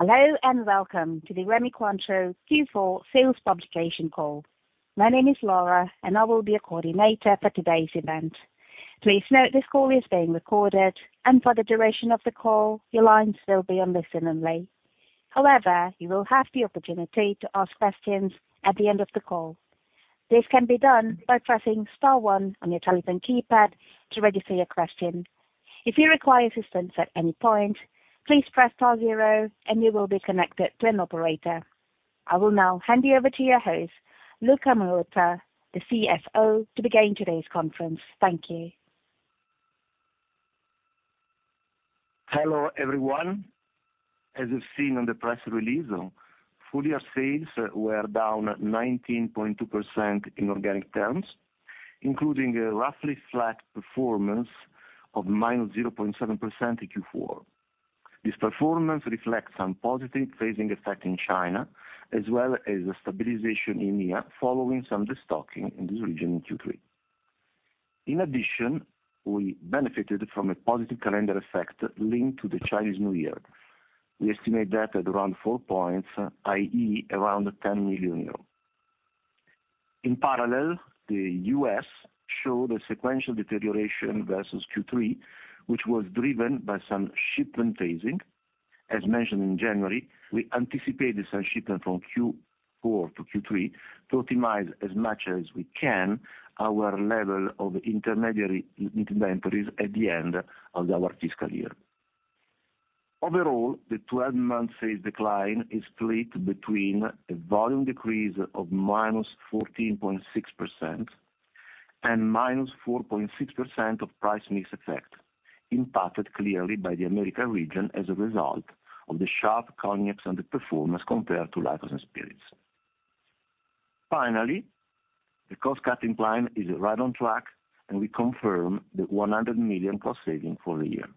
Hello, and welcome to the Rémy Cointreau Q4 sales publication call. My name is Laura, and I will be your coordinator for today's event. Please note this call is being recorded, and for the duration of the call, your lines will be on listen only. However, you will have the opportunity to ask questions at the end of the call. This can be done by pressing star one on your telephone keypad to register your question. If you require assistance at any point, please press star zero and you will be connected to an operator. I will now hand you over to your host, Luca Marotta, the CFO, to begin today's conference. Thank you. Hello, everyone. As you've seen on the press release, full year sales were down 19.2% in organic terms, including a roughly flat performance of -0.7% in Q4. This performance reflects some positive phasing effect in China, as well as a stabilization in EMEA, following some destocking in this region in Q3. In addition, we benefited from a positive calendar effect linked to the Chinese New Year. We estimate that at around four points, i.e., around 10 million euros. In parallel, the U.S. showed a sequential deterioration versus Q3, which was driven by some shipment phasing. As mentioned in January, we anticipated some shipment from Q4 to Q3 to optimize as much as we can our level of intermediary inventories at the end of our fiscal year. Overall, the 12-month sales decline is split between a volume decrease of -14.6% and -4.6% of price mix effect, impacted clearly by the Americas region as a result of the sharp Cognac and the performance compared to Liqueurs and Spirits. Finally, the cost-cutting plan is right on track, and we confirm the 100 million cost saving for the year.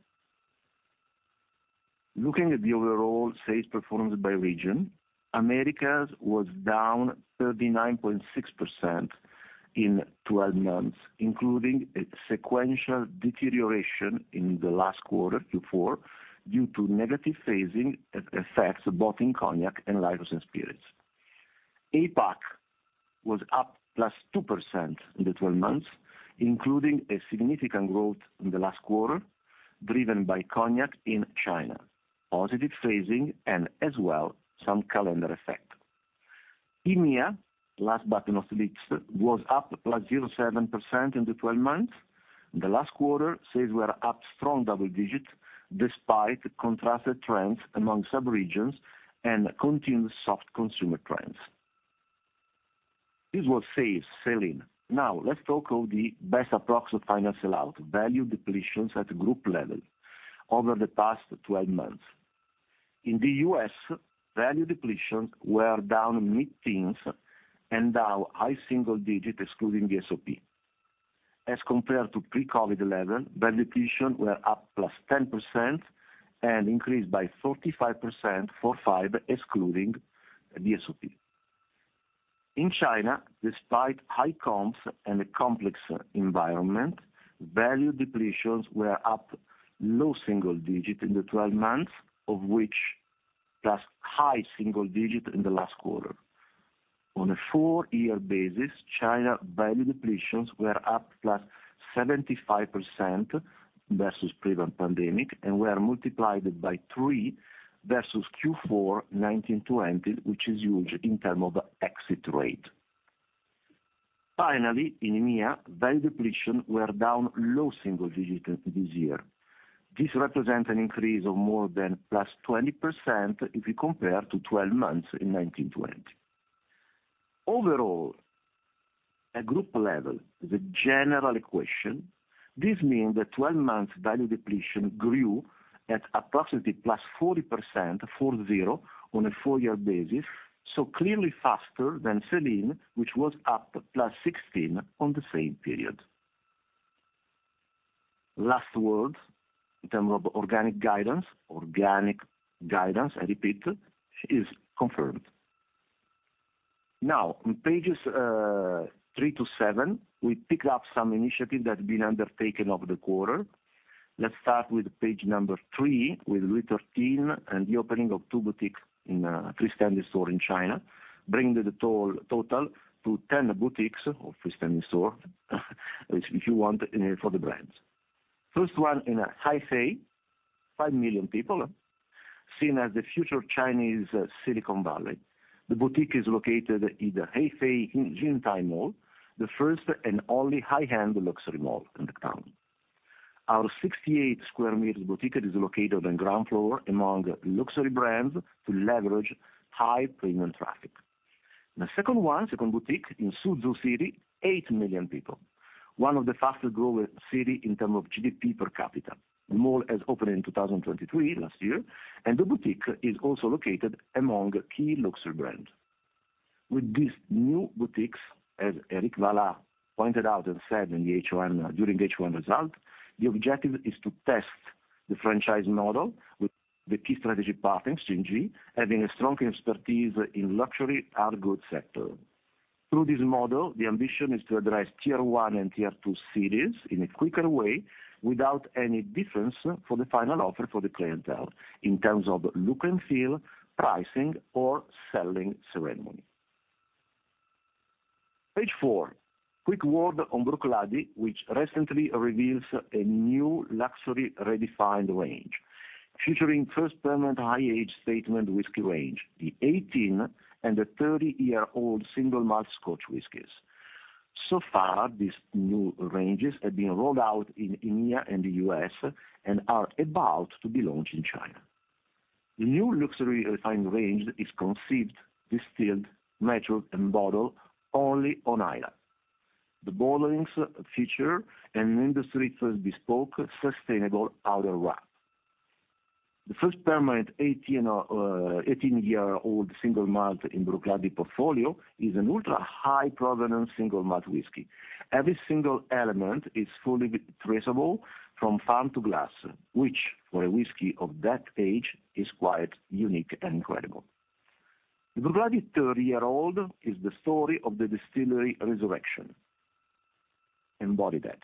Looking at the overall sales performance by region, Americas was down 39.6% in 12 months, including a sequential deterioration in the last quarter, Q4, due to negative phasing effects both in Cognac and Liqueurs and Spirits. APAC was up +2% in the 12 months, including a significant growth in the last quarter, driven by Cognac in China, positive phasing, and as well, some calendar effect. EMEA, last but not least, was up +7% in the 12 months. In the last quarter, sales were up strong double digits, despite contrasted trends among sub-regions and continued soft consumer trends. This was sell-in. Now, let's talk of the best approx of final sell-out, value depletions at group level over the past 12 months. In the U.S., value depletions were down mid-teens and down high-single digit, excluding the VSOP. As compared to pre-COVID level, value depletion were up +10% and increased by 45% four five, excluding the VSOP. In China, despite high comps and a complex environment, value depletions were up low single digit in the 12 months, of which plus high-single digit in the last quarter. On a four-year basis, China value depletions were up +75% versus pre-pandemic, and were multiplied by three versus Q4 2019-2020, which is huge in terms of exit rate. Finally, in EMEA, value depletion were down low single digit this year. This represent an increase of more than +20% if you compare to 12 months in 2019-2020. Overall, at group level, the general equation, this means that 12 months value depletion grew at approximately +40%, 40, on a four-year basis, so clearly faster than sell-in, which was up +16 on the same period. Last word, in terms of organic guidance, organic guidance, I repeat, is confirmed. Now, on pages three to seven, we pick up some initiatives that have been undertaken over the quarter. Let's start with page number three, with Louis XIII and the opening of two boutiques in freestanding stores in China, bringing the total to 10 boutiques or freestanding stores, if you want, for the brands. First one in Hefei, 5 million people, seen as the future Chinese Silicon Valley. The boutique is located in the Hefei Yintai Mall, the first and only high-end luxury mall in the town. Our 68 square meter boutique is located on ground floor among luxury brands to leverage high premium traffic. The second one, second boutique in Suzhou City, 8 million people, one of the fastest-growing city in terms of GDP per capita. The mall has opened in 2023, last year, and the boutique is also located among key luxury brands. With these new boutiques, as Éric Vallat pointed out and said in the H1 during H1 result, the objective is to test the franchise model with the key strategic partners, Xinyu, having a strong expertise in luxury hard goods sector... Through this model, the ambition is to address Tier One and Tier Two cities in a quicker way, without any difference for the final offer for the clientele in terms of look and feel, pricing, or sell-in ceremony. Page four. Quick word on Bruichladdich, which recently reveals a new luxury redefined range, featuring first permanent high age statement whisky range, the 18- and 30-year-old single malt Scotch whiskies. So far, these new ranges have been rolled out in EMEA and the U.S., and are about to be launched in China. The new luxury refined range is conceived, distilled, matured, and bottled only on Islay. The bottlings feature an industry-first bespoke, sustainable outer wrap. The first permanent 18-year-old single malt in Bruichladdich portfolio is an ultra-high provenance single malt whiskey. Every single element is fully traceable from farm to glass, which, for a whiskey of that age, is quite unique and incredible. The Bruichladdich 30-year-old is the story of the distillery resurrection, embodied that.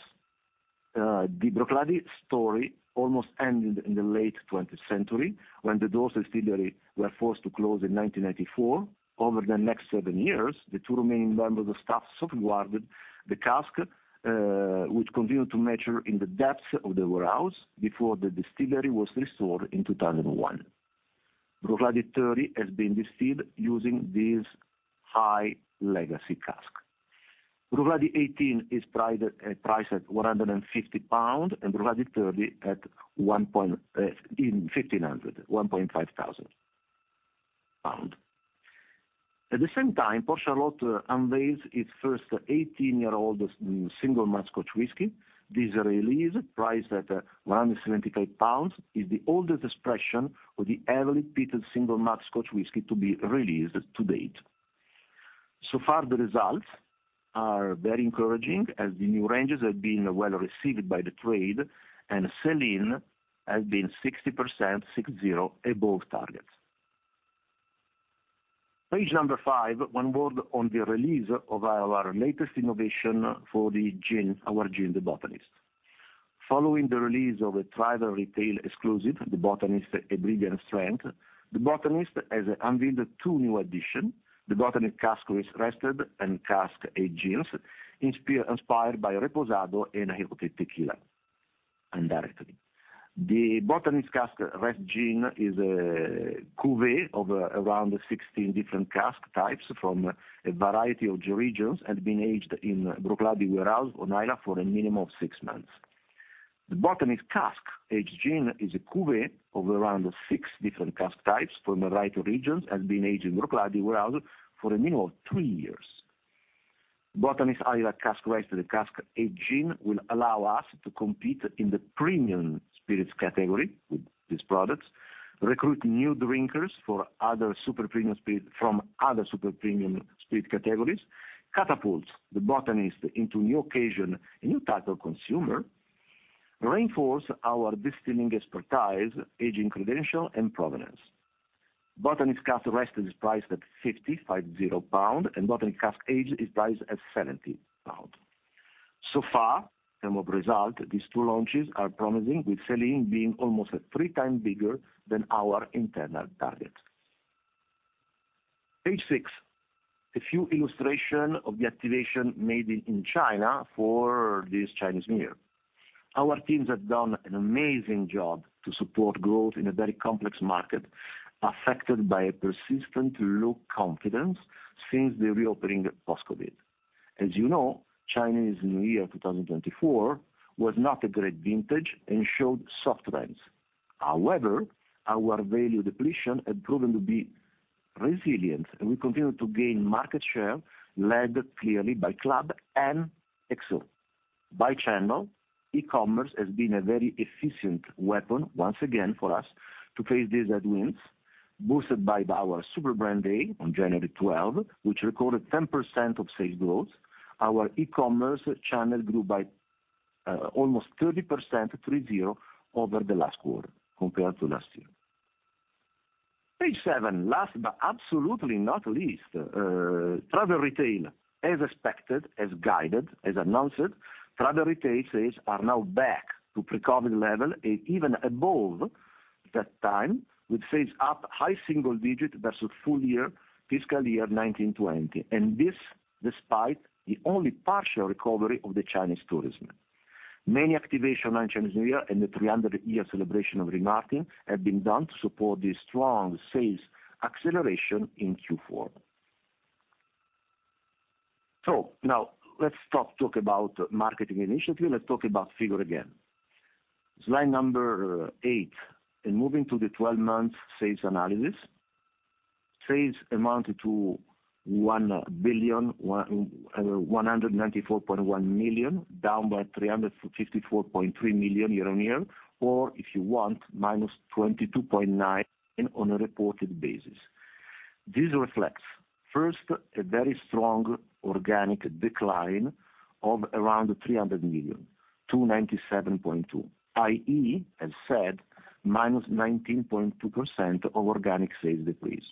The Bruichladdich story almost ended in the late 20th century, when the doors of the distillery were forced to close in 1994. Over the next seven years, the two remaining members of staff safeguarded the cask, which continued to mature in the depths of the warehouse before the distillery was restored in 2001. Bruichladdich 30 has been distilled using these high legacy cask. Bruichladdich 18 is priced at 150 pound, and Bruichladdich 30 at one point... In 1,500 pounds. At the same time, Port Charlotte unveils its first 18-year-old single malt Scotch whisky. This release, priced at 178 pounds, is the oldest expression of the heavily peated single malt Scotch whisky to be released to date. So far, the results are very encouraging, as the new ranges have been well received by the trade, and sell-in has been 60%, six zero above target. Page number five. One word on the release of our latest innovation for the gin, our gin, The Botanist. Following the release of a Travel Retail exclusive, The Botanist Hebridean Strength, The Botanist has unveiled two new addition, The Botanist Cask Rested and Cask Aged Gins, inspired by reposado and tequila, indirectly. The Botanist Cask Rested Gin is a cuvée of around 16 different cask types from a variety of regions and been aged in Bruichladdich warehouse on Islay for a minimum of six months. The Botanist Cask Aged Gin is a cuvée of around six different cask types from a variety of regions and been aged in Bruichladdich warehouse for a minimum of three years. Botanist Islay Cask Rested and the Cask Aged Gin will allow us to compete in the premium spirits category with these products, recruit new drinkers from other super premium spirit categories, catapult The Botanist into new occasion, a new type of consumer, reinforce our distilling expertise, aging credential, and provenance. Botanist Cask Rested is priced at 50 pound, and Botanist Cask Aged is priced at 70 pound. So far, and what result, these two launches are promising, with sell-in being almost at three times bigger than our internal target. Page six. A few illustrations of the activation made in China for this Chinese New Year. Our teams have done an amazing job to support growth in a very complex market, affected by a persistent low confidence since the reopening post-COVID. As you know, Chinese New Year 2024 was not a great vintage and showed soft trends. However, our value depletion had proven to be resilient, and we continued to gain market share, led clearly by Club and XO. By channel, e-commerce has been a very efficient weapon, once again, for us to face these headwinds, boosted by our Super Brand Day on January 12, which recorded 10% of sales growth. Our e-commerce channel grew by almost 30%, three zero, over the last quarter compared to last year. Page seven, last but absolutely not least, Travel Retail. As expected, as guided, as announced, Travel Retail sales are now back to pre-COVID level and even above that time, with sales up high single digit versus full year, fiscal year 2019-2020. This, despite the only partial recovery of the Chinese tourism. Many activation on Chinese New Year and the 300-year celebration of Rémy Martin have been done to support this strong sales acceleration in Q4. So now let's stop talk about marketing initiative. Let's talk about figure again. Slide number eight. In moving to the 12-month sales analysis, sales amounted to 1,194.1 million, down by 354.3 million year-on-year, or if you want, -22.9% on a reported basis. This reflects, first, a very strong organic decline of around 300 million... 297.2, i.e., as said, -19.2% organic sales decrease.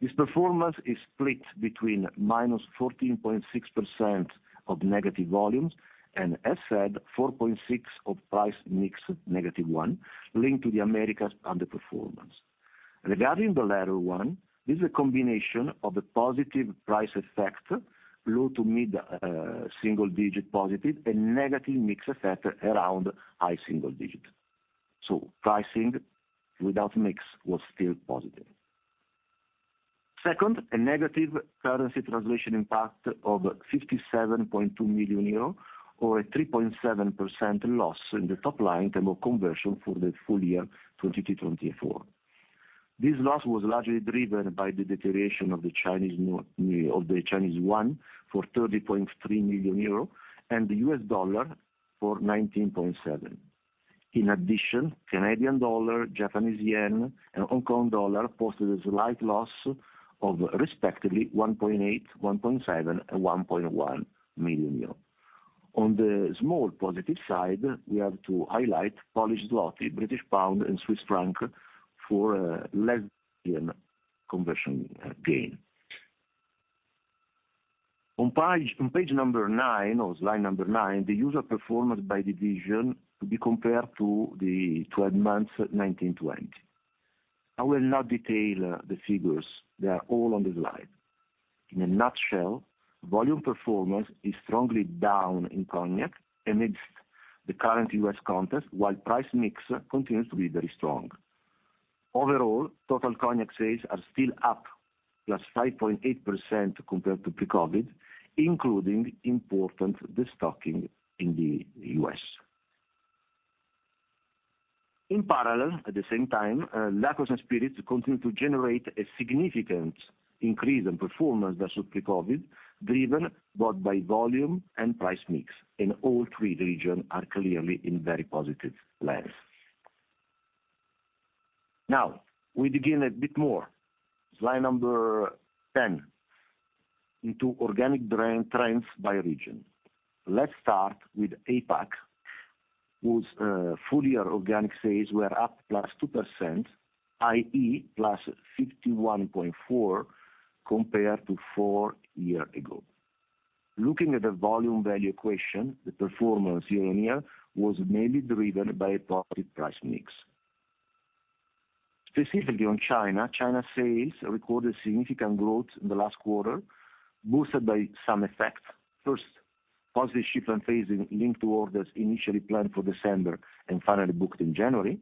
This performance is split between -14.6% of negative volumes, and as said, 4.6% of price mix, -1%, linked to the Americas underperformance. Regarding the latter one, this is a combination of the positive price effect, low-to-mid single-digit positive and negative mix effect around high single-digit. So pricing without mix was still positive. Second, a negative currency translation impact of 57.2 million euro or a 3.7% loss in the top line term of conversion for the full year 2024. This loss was largely driven by the deterioration of the Chinese yuan for 30.3 million euro and the U.S. dollar for 19.7 million. In addition, Canadian dollar, Japanese yen, and Hong Kong dollar posted a slight loss of respectively 1.8 million, 1.7 million, and 1.1 million euro. On the small positive side, we have to highlight Polish zloty, British pound, and Swiss franc for less in conversion gain. On page number nine or slide number nine, the year performance by division to be compared to the 12 months, 2020. I will not detail the figures. They are all on the slide. In a nutshell, volume performance is strongly down in Cognac amidst the current U.S. context, while price mix continues to be very strong. Overall, total Cognac sales are still up +5.8% compared to pre-COVID, including important destocking in the U.S. In parallel, at the same time, liqueurs and spirits continue to generate a significant increase in performance versus pre-COVID, driven both by volume and price mix, and all three region are clearly in very positive lengths. Now, we dig in a bit more, slide 10, into organic trend, trends by region. Let's start with APAC, whose full year organic sales were up +2%, i.e., +51.4, compared to four year ago. Looking at the volume value equation, the performance year-on-year was mainly driven by a positive price mix. Specifically on China, China sales recorded significant growth in the last quarter, boosted by some effects. First, positive shipment phase linked to orders initially planned for December and finally booked in January.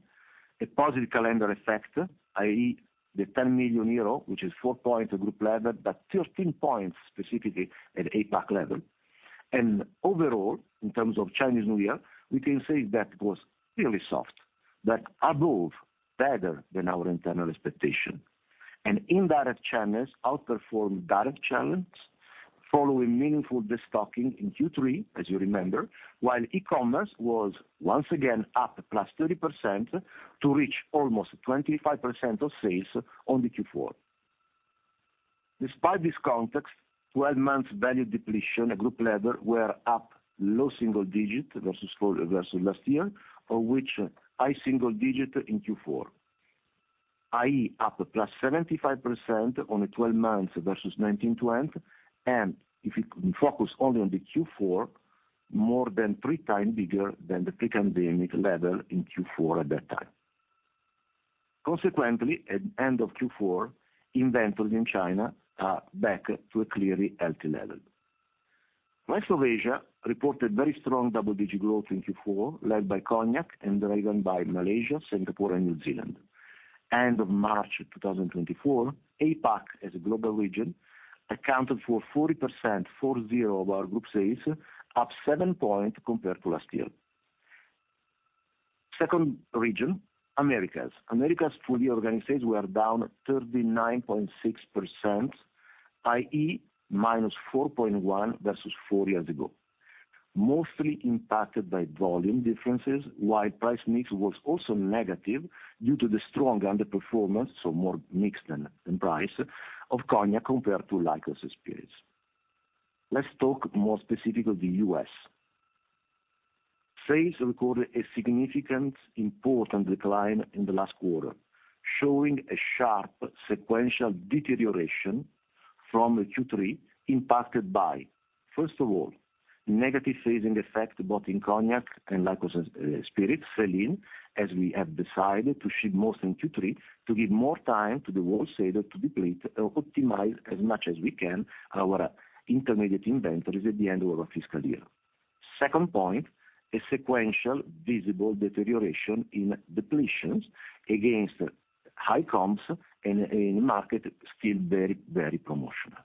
A positive calendar effect, i.e., the 10 million euro, which is four points at group level, but thirteen points specifically at APAC level. Overall, in terms of Chinese New Year, we can say that it was really soft, but above, better than our internal expectation. Indirect channels outperformed direct channels, following meaningful destocking in Q3, as you remember, while e-commerce was once again up +30% to reach almost 25% of sales on the Q4. Despite this context, 12-month value depletion at group level were up low-single digit versus last year, of which high single-digit in Q4, i.e., up +75% on a 12-month versus 2019-20, and if you focus only on the Q4, more than 3 times bigger than the pre-pandemic level in Q4 at that time. Consequently, at end of Q4, inventories in China are back to a clearly healthy level. Rest of Asia reported very strong double-digit growth in Q4, led by Cognac and driven by Malaysia, Singapore, and New Zealand. End of March 2024, APAC, as a global region, accounted for 40%, four zero, of our group sales, up seven points compared to last year. Second region, Americas. Americas full year organic sales were down 39.6%, i.e., -4.1% versus four years ago. Mostly impacted by volume differences, while price mix was also negative due to the strong underperformance, so more mix than, than price, of Cognac compared to Liqueurs & Spirits. Let's talk more specifically the U.S. Sales recorded a significant important decline in the last quarter, showing a sharp sequential deterioration from Q3, impacted by, first of all, negative phasing effect both in Cognac and Liqueurs & Spirits sell-in, as we have decided to ship more in Q3 to give more time to the wholesaler to deplete or optimize as much as we can our intermediate inventories at the end of our fiscal year. Second point, a sequential visible deterioration in depletions against high comps in a, in a market still very, very promotional.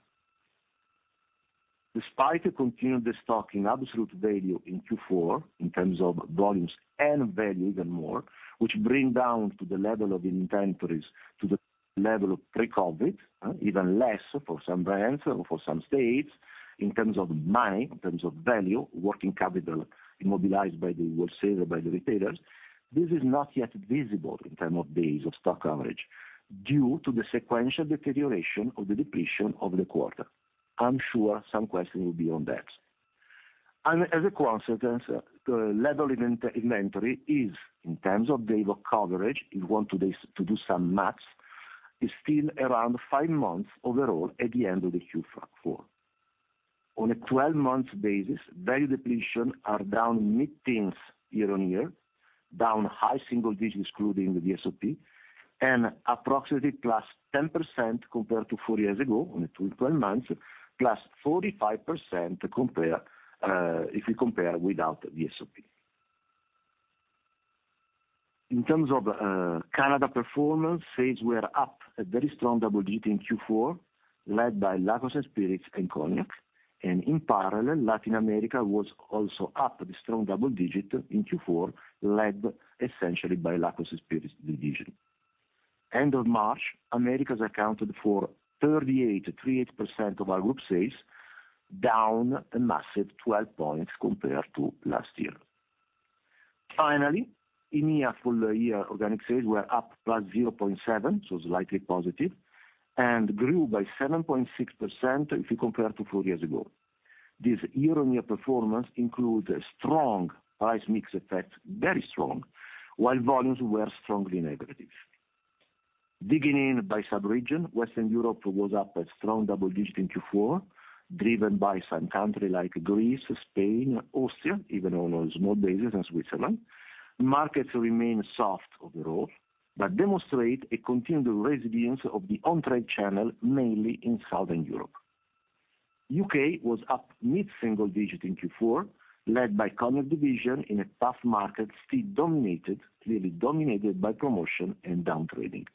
Despite a continued destocking absolute value in Q4, in terms of volumes and value even more, which bring down to the level of inventories to the level of pre-COVID, even less for some brands or for some states, in terms of wine, in terms of value, working capital immobilized by the wholesaler, by the retailers, this is not yet visible in terms of days of stock average, due to the sequential deterioration of the depletion of the quarter. I'm sure some questions will be on that. As a consequence, the level of inventory is in terms of day of coverage, if you want to this, to do some math, is still around five months overall at the end of the Q4. On a 12-month basis, value depletion are down mid-teens year-on-year, down high single digits, including the VSOP, and approximately +10% compared to four years ago on a 12 months, +45% compared, if we compare without the VSOP. In terms of Canada performance, sales were up a very strong double digit in Q4, led by Liqueurs & Spirits and Cognac, and in parallel, Latin America was also up a strong double digit in Q4, led essentially by Liqueurs and Spirits division. End of March, Americas accounted for 38% of our group sales, down a massive 12 points compared to last year. Finally, EMEA full year organic sales were up +0.7, so slightly positive, and grew by 7.6% if you compare to four years ago. This year-on-year performance includes a strong price mix effect, very strong, while volumes were strongly negative. Beginning by sub-region, Western Europe was up a strong double-digit in Q4, driven by some country like Greece, Spain, Austria, even on a small basis in Switzerland. Markets remain soft overall, but demonstrate a continued resilience of the on-trade channel, mainly in Southern Europe. U.K. was up mid-single-digit in Q4, led by Cognac division in a tough market, still dominated, clearly dominated by promotion and down trading.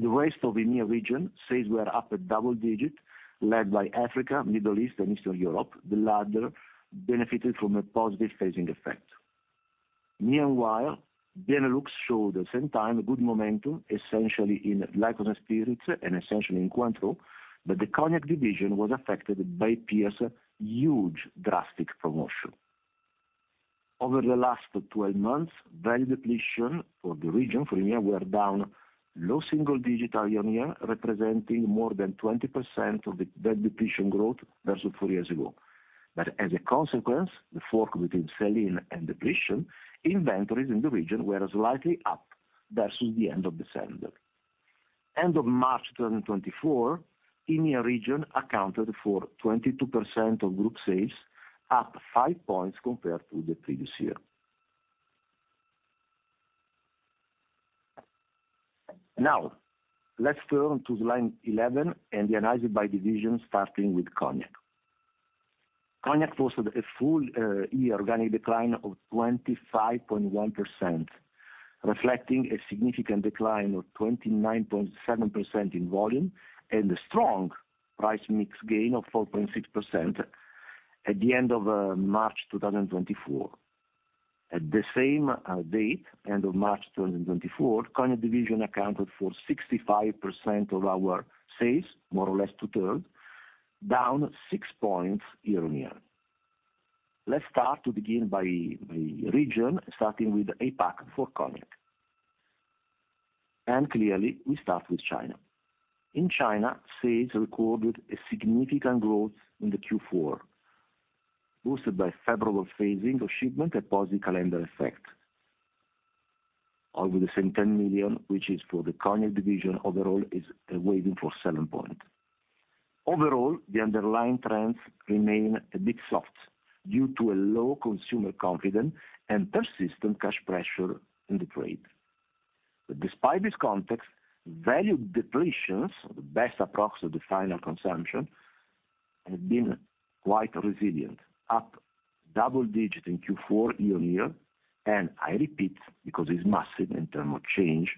The rest of the EMEA region, sales were up at double-digit, led by Africa, Middle East, and Eastern Europe. The latter benefited from a positive phasing effect. Meanwhile, Benelux showed the same time good momentum, essentially in Liqueurs & Spirits and essentially in Cointreau, but the Cognac division was affected by peers' huge, drastic promotion. Over the last 12 months, value depletion for the region, for EMEA, were down low single digit year-on-year, representing more than 20% of the value depletion growth versus four years ago. But as a consequence, the fork between sell-in and depletion, inventories in the region were slightly up versus the end of December. End of March 2024, EMEA region accounted for 22% of group sales, up five points compared to the previous year. Now, let's turn to line 11 and analyze it by division, starting with Cognac. Cognac posted a full year organic decline of 25.1%, reflecting a significant decline of 29.7% in volume and a strong price mix gain of 4.6% at the end of March 2024. At the same date, end of March 2024, Cognac division accounted for 65% of our sales, more or less two-thirds, down 6 points year-on-year. Let's start to begin by the region, starting with the APAC for Cognac. Clearly, we start with China. In China, sales recorded a significant growth in the Q4, boosted by favorable phasing of shipment and positive calendar effect, over the same 10 million, which is for the Cognac division overall is waiting for seven point. Overall, the underlying trends remain a bit soft due to a low consumer confidence and persistent cash pressure in the trade. But despite this context, value depletions, the best approx of the final consumption, have been quite resilient, up double digit in Q4 year-on-year, and I repeat, because it's massive in terms of change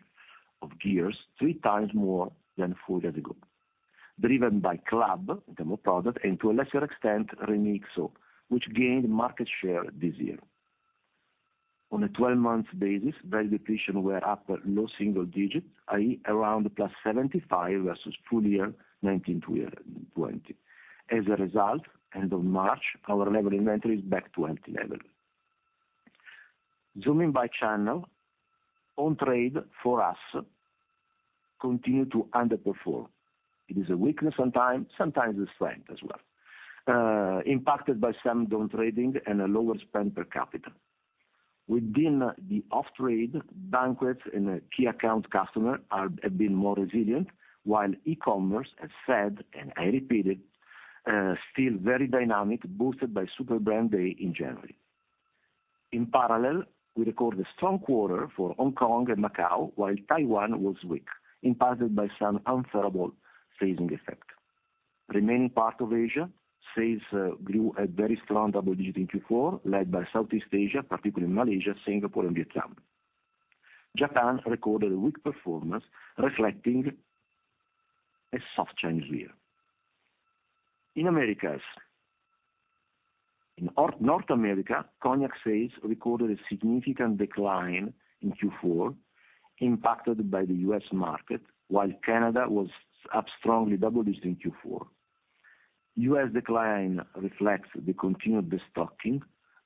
of gears, three times more than four years ago, driven by Club, intermediate product, and to a lesser extent, Rémy XO, which gained market share this year. On a twelve-month basis, value depletions were up at low single digits, i.e., around +7.5 versus full year 2019 to 2020. As a result, end of March, our inventory level is back to empty level. Zooming by channel, on-trade for us continue to underperform. It is a weakness over time, sometimes a strength as well, impacted by some down trading and a lower spend per capita. Within the off-trade, banquets and key account customers are, have been more resilient, while e-commerce, as said, and I repeat it, still very dynamic, boosted by Super Brand Day in January. In parallel, we recorded a strong quarter for Hong Kong and Macau, while Taiwan was weak, impacted by some unfavorable phasing effect. Remaining part of Asia, sales grew at very strong double-digit in Q4, led by Southeast Asia, particularly Malaysia, Singapore, and Vietnam. Japan recorded a weak performance, reflecting a soft Chinese New Year. In Americas, in North America, Cognac sales recorded a significant decline in Q4, impacted by the U.S. market, while Canada was up strongly double-digit in Q4. U.S. decline reflects the continued destocking,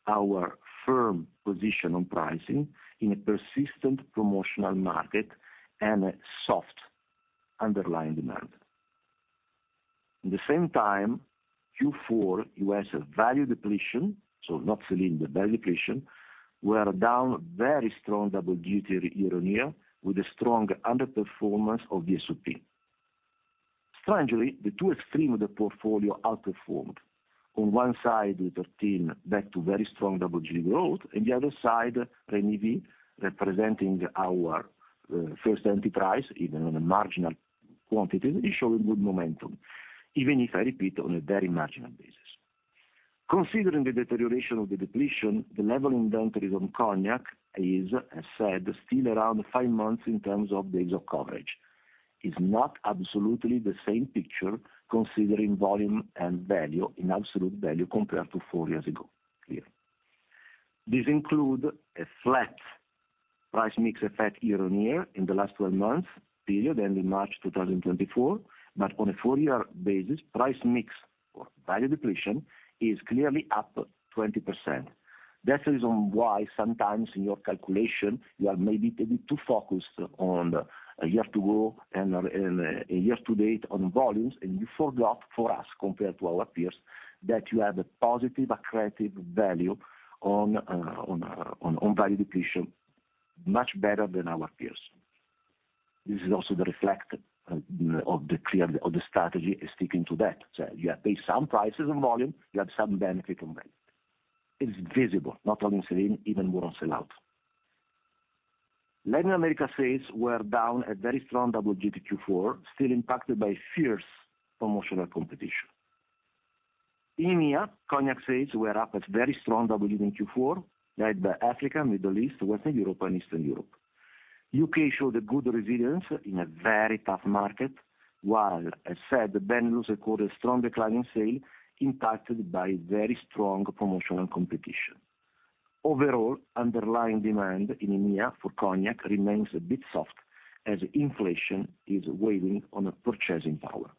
our firm position on pricing in a persistent promotional market and a soft underlying demand. At the same time, Q4, U.S. value depletion, so not sell-in, but value depletion, were down very strong double-digit year-on-year, with a strong underperformance of the VSOP. Strangely, the two extremes of the portfolio outperformed. On one side, with 13 back to very strong double-digit growth, and the other side, Rémy V, representing our first enterprise, even on a marginal quantity, is showing good momentum, even if I repeat, on a very marginal basis. Considering the deterioration of the depletion, the level inventories on Cognac is, as said, still around five months in terms of days of coverage. It is not absolutely the same picture, considering volume and value, in absolute value, compared to four years ago, clearly. This includes a flat price mix effect year-on-year in the last twelve months period, ending March 2024, but on a four-year basis, price mix or value depletion is clearly up 20%. That's the reason why sometimes in your calculation, you are maybe a bit too focused on a year to go and a year to date on volumes, and you forgot for us, compared to our peers, that you have a positive accretive value on value depletion, much better than our peers. This is also the reflection of the clear strategy is sticking to that. So you pay some prices on volume, you have some benefit on value. It's visible, not only in sell-in, even more on sell-out. Latin America sales were down a very strong double-digit Q4, still impacted by fierce promotional competition. EMEA Cognac sales were up a very strong double-digit in Q4, led by Africa, Middle East, Western Europe, and Eastern Europe. U.K. showed a good resilience in a very tough market, while, as said, the Benelux recorded strong decline in sales, impacted by very strong promotional competition. Overall, underlying demand in EMEA for Cognac remains a bit soft, as inflation is weighing on the purchasing power.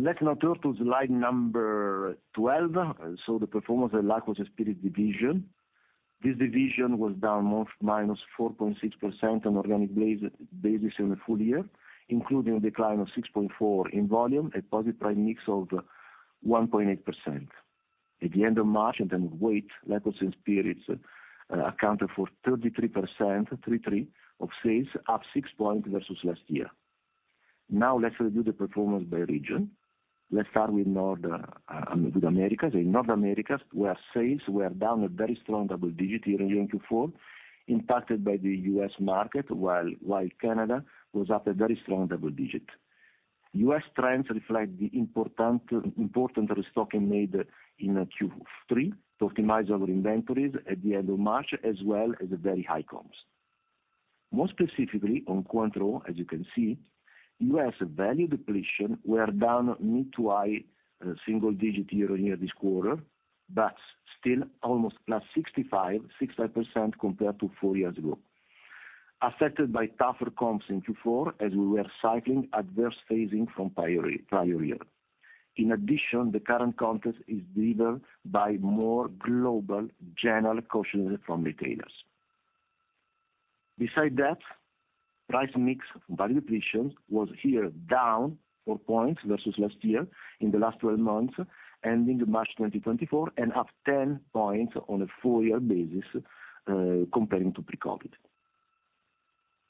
Let's now turn to slide number 12. So the performance of the Liqueurs & Spirits division. This division was down more -4.6% on organic basis on the full year, including a decline of 6.4 in volume, a positive price mix of 1.8%. At the end of March, and then weight, Liqueurs & Spirits accounted for 33%, of sales, up six points versus last year. Now, let's review the performance by region. Let's start with North America. In North America, where sales were down a very strong double-digit year-on-year in Q4, impacted by the U.S. market, while Canada was up a very strong double-digit. U.S. trends reflect the important restocking made in Q3 to optimize our inventories at the end of March, as well as the very high comps. More specifically, on Cointreau, as you can see, U.S. value depletion were down mid- to high-single-digit year-on-year this quarter, but still almost +65% compared to four years ago, affected by tougher comps in Q4, as we were cycling adverse phasing from prior year. In addition, the current context is driven by more global general caution from retailers. Besides that, price mix value depletion was here down four points versus last year in the last 12 months, ending March 2024, and up 10 points on a four-year basis, comparing to pre-COVID.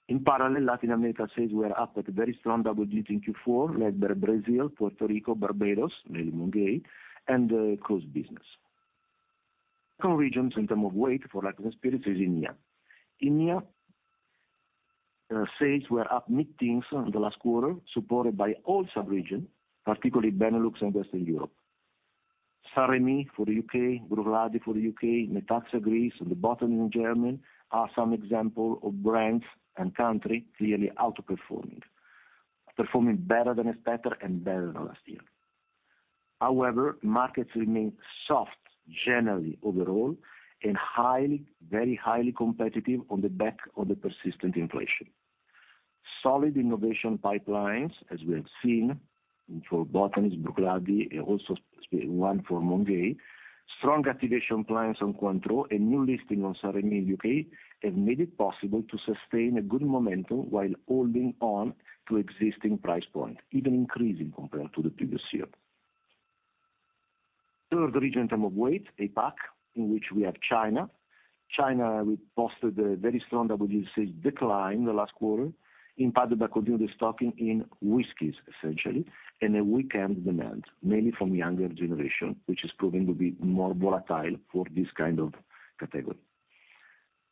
In parallel, Latin America sales were up at a very strong double-digit in Q4, led by Brazil, Puerto Rico, Barbados, mainly Mount Gay, and the cruise business. Second regions in terms of weight for Liqueurs & Spirits is EMEA. EMEA, sales were up mid-teens in the last quarter, supported by all sub-regions, particularly Benelux and Western Europe. St-Rémy for the U.K., Brugal for the U.K., Metaxa Greece, and The Botanist in Germany are some examples of brands and countries clearly outperforming, performing better than expected and better than last year. However, markets remain soft generally overall, and highly, very highly competitive on the back of the persistent inflation. Solid innovation pipelines, as we have seen, for Botanist, Brugal, and also one for Mount Gay, strong activation plans on Cointreau, and new listing on St-Rémy U.K., have made it possible to sustain a good momentum while holding on to existing price point, even increasing compared to the previous year. Third region in terms of weight, APAC, in which we have China. China, we posted a very strong double-digit decline the last quarter, impacted by continued stocking in whiskies, essentially, and a weakened demand, mainly from younger generation, which is proving to be more volatile for this kind of category.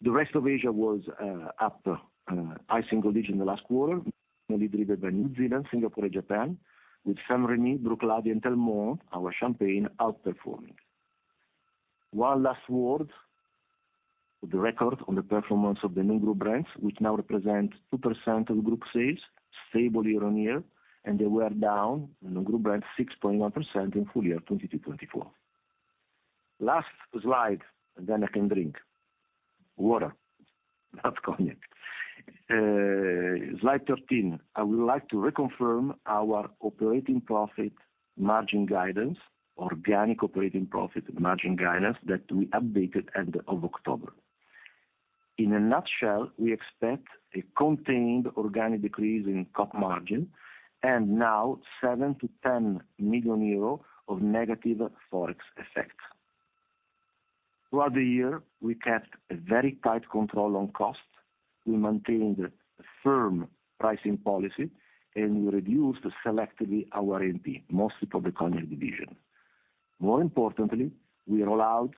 The rest of Asia was up high-single digit in the last quarter, mainly driven by New Zealand, Singapore, and Japan, with St-Rémy, Brugal, and Telmont, our Champagne, outperforming. One last word, the record on the performance of the new group brands, which now represent 2% of group sales, stable year-on-year, and they were down, the new group brands, 6.1% in full year 2024. Last slide, and then I can drink.... water, not Cognac. Slide 13, I would like to reconfirm our operating profit margin guidance, organic operating profit margin guidance that we updated end of October. In a nutshell, we expect a contained organic decrease in top margin, and now 7 million-10 million euro of negative Forex effect. Throughout the year, we kept a very tight control on cost. We maintained a firm pricing policy, and we reduced selectively our A&P, mostly for the Cognac division. More importantly, we roll out,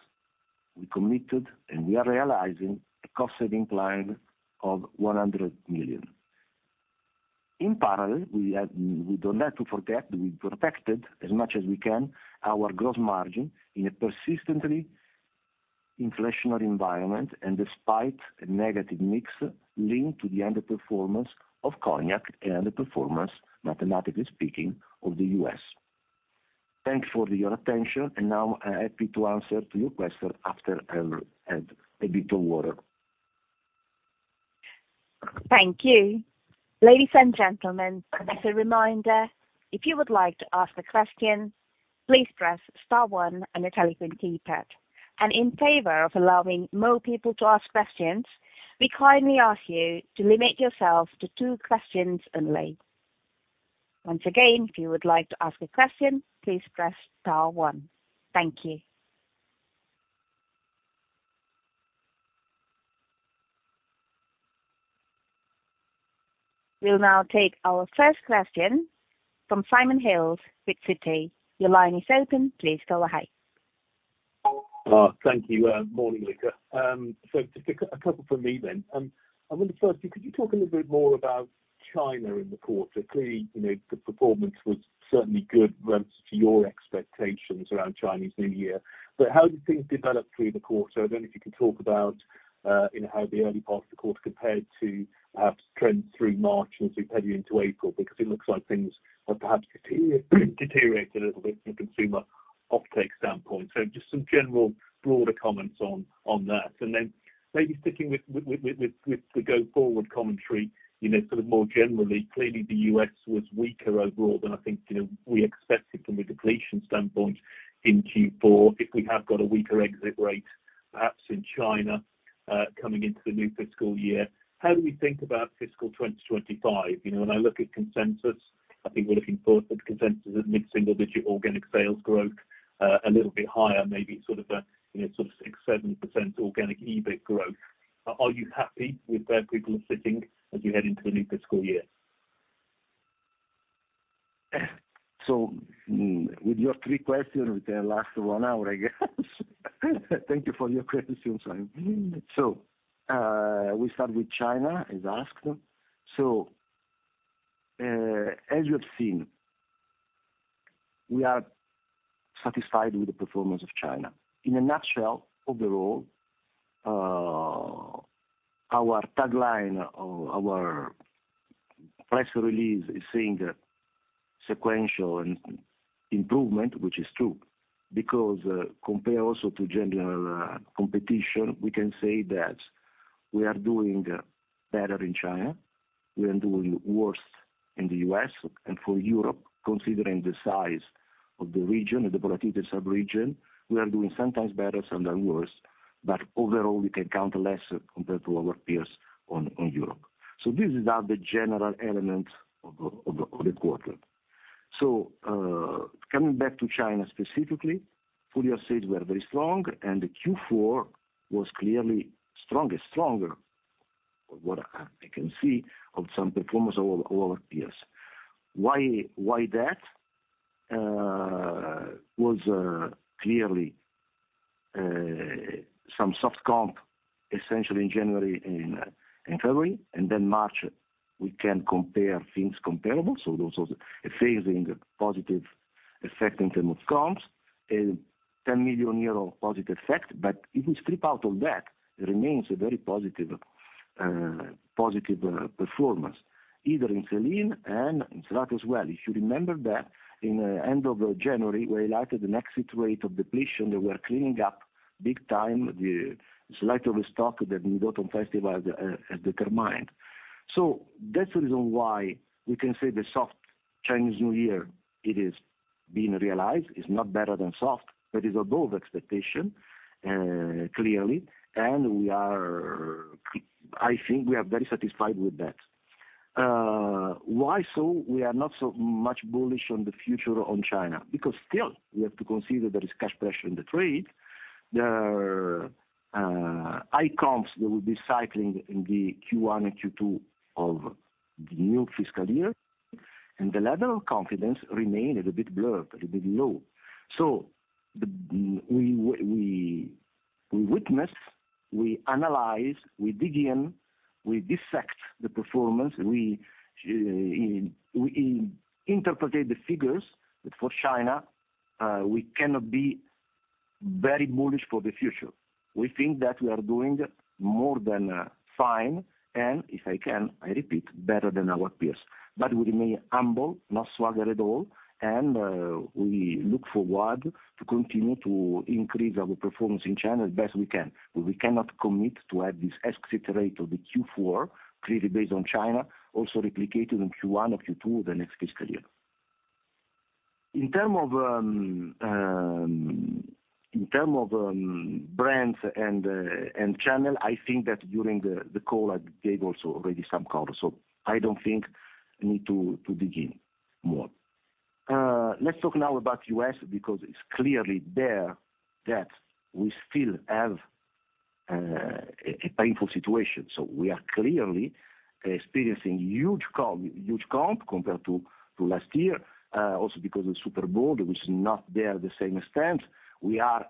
we committed, and we are realizing a cost-saving plan of 100 million. In parallel, we don't have to forget, we protected as much as we can, our gross margin in a persistently inflationary environment, and despite a negative mix linked to the underperformance of Cognac and underperformance, mathematically speaking, of the U.S. Thanks for your attention, and now I'm happy to answer to your question after I have a bit of water. Thank you. Ladies and gentlemen, as a reminder, if you would like to ask a question, please press star one on your telephone keypad. In favor of allowing more people to ask questions, we kindly ask you to limit yourself to two questions only. Once again, if you would like to ask a question, please press star one. Thank you. We'll now take our first question from Simon Hales, with Citi. Your line is open, please go ahead. Thank you. Morning, Luca. So just a couple from me then. I wonder, firstly, could you talk a little bit more about China in the quarter? Clearly, you know, the performance was certainly good relative to your expectations around Chinese New Year, but how did things develop through the quarter? I don't know if you could talk about, you know, how the early part of the quarter compared to trends through March as we head into April, because it looks like things have perhaps deteriorated a little bit from a consumer uptake standpoint. So just some general broader comments on that. And then maybe sticking with the go forward commentary, you know, sort of more generally, clearly the U.S. was weaker overall than I think, you know, we expected from a depletion standpoint in Q4. If we have got a weaker exit rate, perhaps in China, coming into the new fiscal year, how do we think about fiscal 2025? You know, when I look at consensus, I think we're looking forward to the consensus of mid-single digit organic sales growth, a little bit higher, maybe sort of a, you know, sort of 6%-7% organic EBIT growth. Are you happy with where people are sitting as you head into the new fiscal year? So with your three questions, we can last one hour, I guess. Thank you for your questions, Simon. So, we start with China, as asked. So, as you have seen, we are satisfied with the performance of China. In a nutshell, overall, our tagline or our press release is saying sequential and improvement, which is true, because, compare also to general, competition, we can say that we are doing better in China, we are doing worse in the U.S., and for Europe, considering the size of the region, the volatility sub-region, we are doing sometimes better, sometimes worse, but overall, we can count less compared to our peers on, on Europe. So these are the general elements of the, of the, of the quarter. So, coming back to China specifically, full year stage, we are very strong, and the Q4 was clearly stronger, what I can see of some performance of all our peers. Why that? Was clearly some soft comp, essentially in January and February, and then March, we can compare things comparable, so those are phasing positive effect in terms of comps, and 10 million euro positive effect. But if we strip out all that, it remains a very positive performance, either in sell-in and in sell-out as well. If you remember that in end of January, we highlighted an exit rate of depletion that we're cleaning up big time, the slight overstock that Mid-Autumn Festival has determined. So that's the reason why we can say the soft Chinese New Year, it is being realized, is not better than soft, but is above expectation, clearly, and we are... I think we are very satisfied with that. Why, so we are not so much bullish on the future on China? Because still, we have to consider there is cash pressure in the trade. There are high comps that will be cycling in the Q1 and Q2 of the new fiscal year, and the level of confidence remain a little bit blurred, a little bit low. So, we witness, we analyze, we dig in, we dissect the performance. We interpret the figures, but for China, we cannot be very bullish for the future. We think that we are doing more than fine, and if I can, I repeat, better than our peers. But we remain humble, not swagger at all, and we look forward to continue to increase our performance in China as best we can. But we cannot commit to have this excellent rate of the Q4, clearly based on China, also replicated in Q1 or Q2 of the next fiscal year. In terms of brands and channel, I think that during the call, I gave also already some color, so I don't think I need to dig in more. Let's talk now about U.S., because it's clearly there that we still have a painful situation. So we are clearly experiencing huge comp, huge comp compared to last year, also because of Super Bowl, which is not there the same extent. We are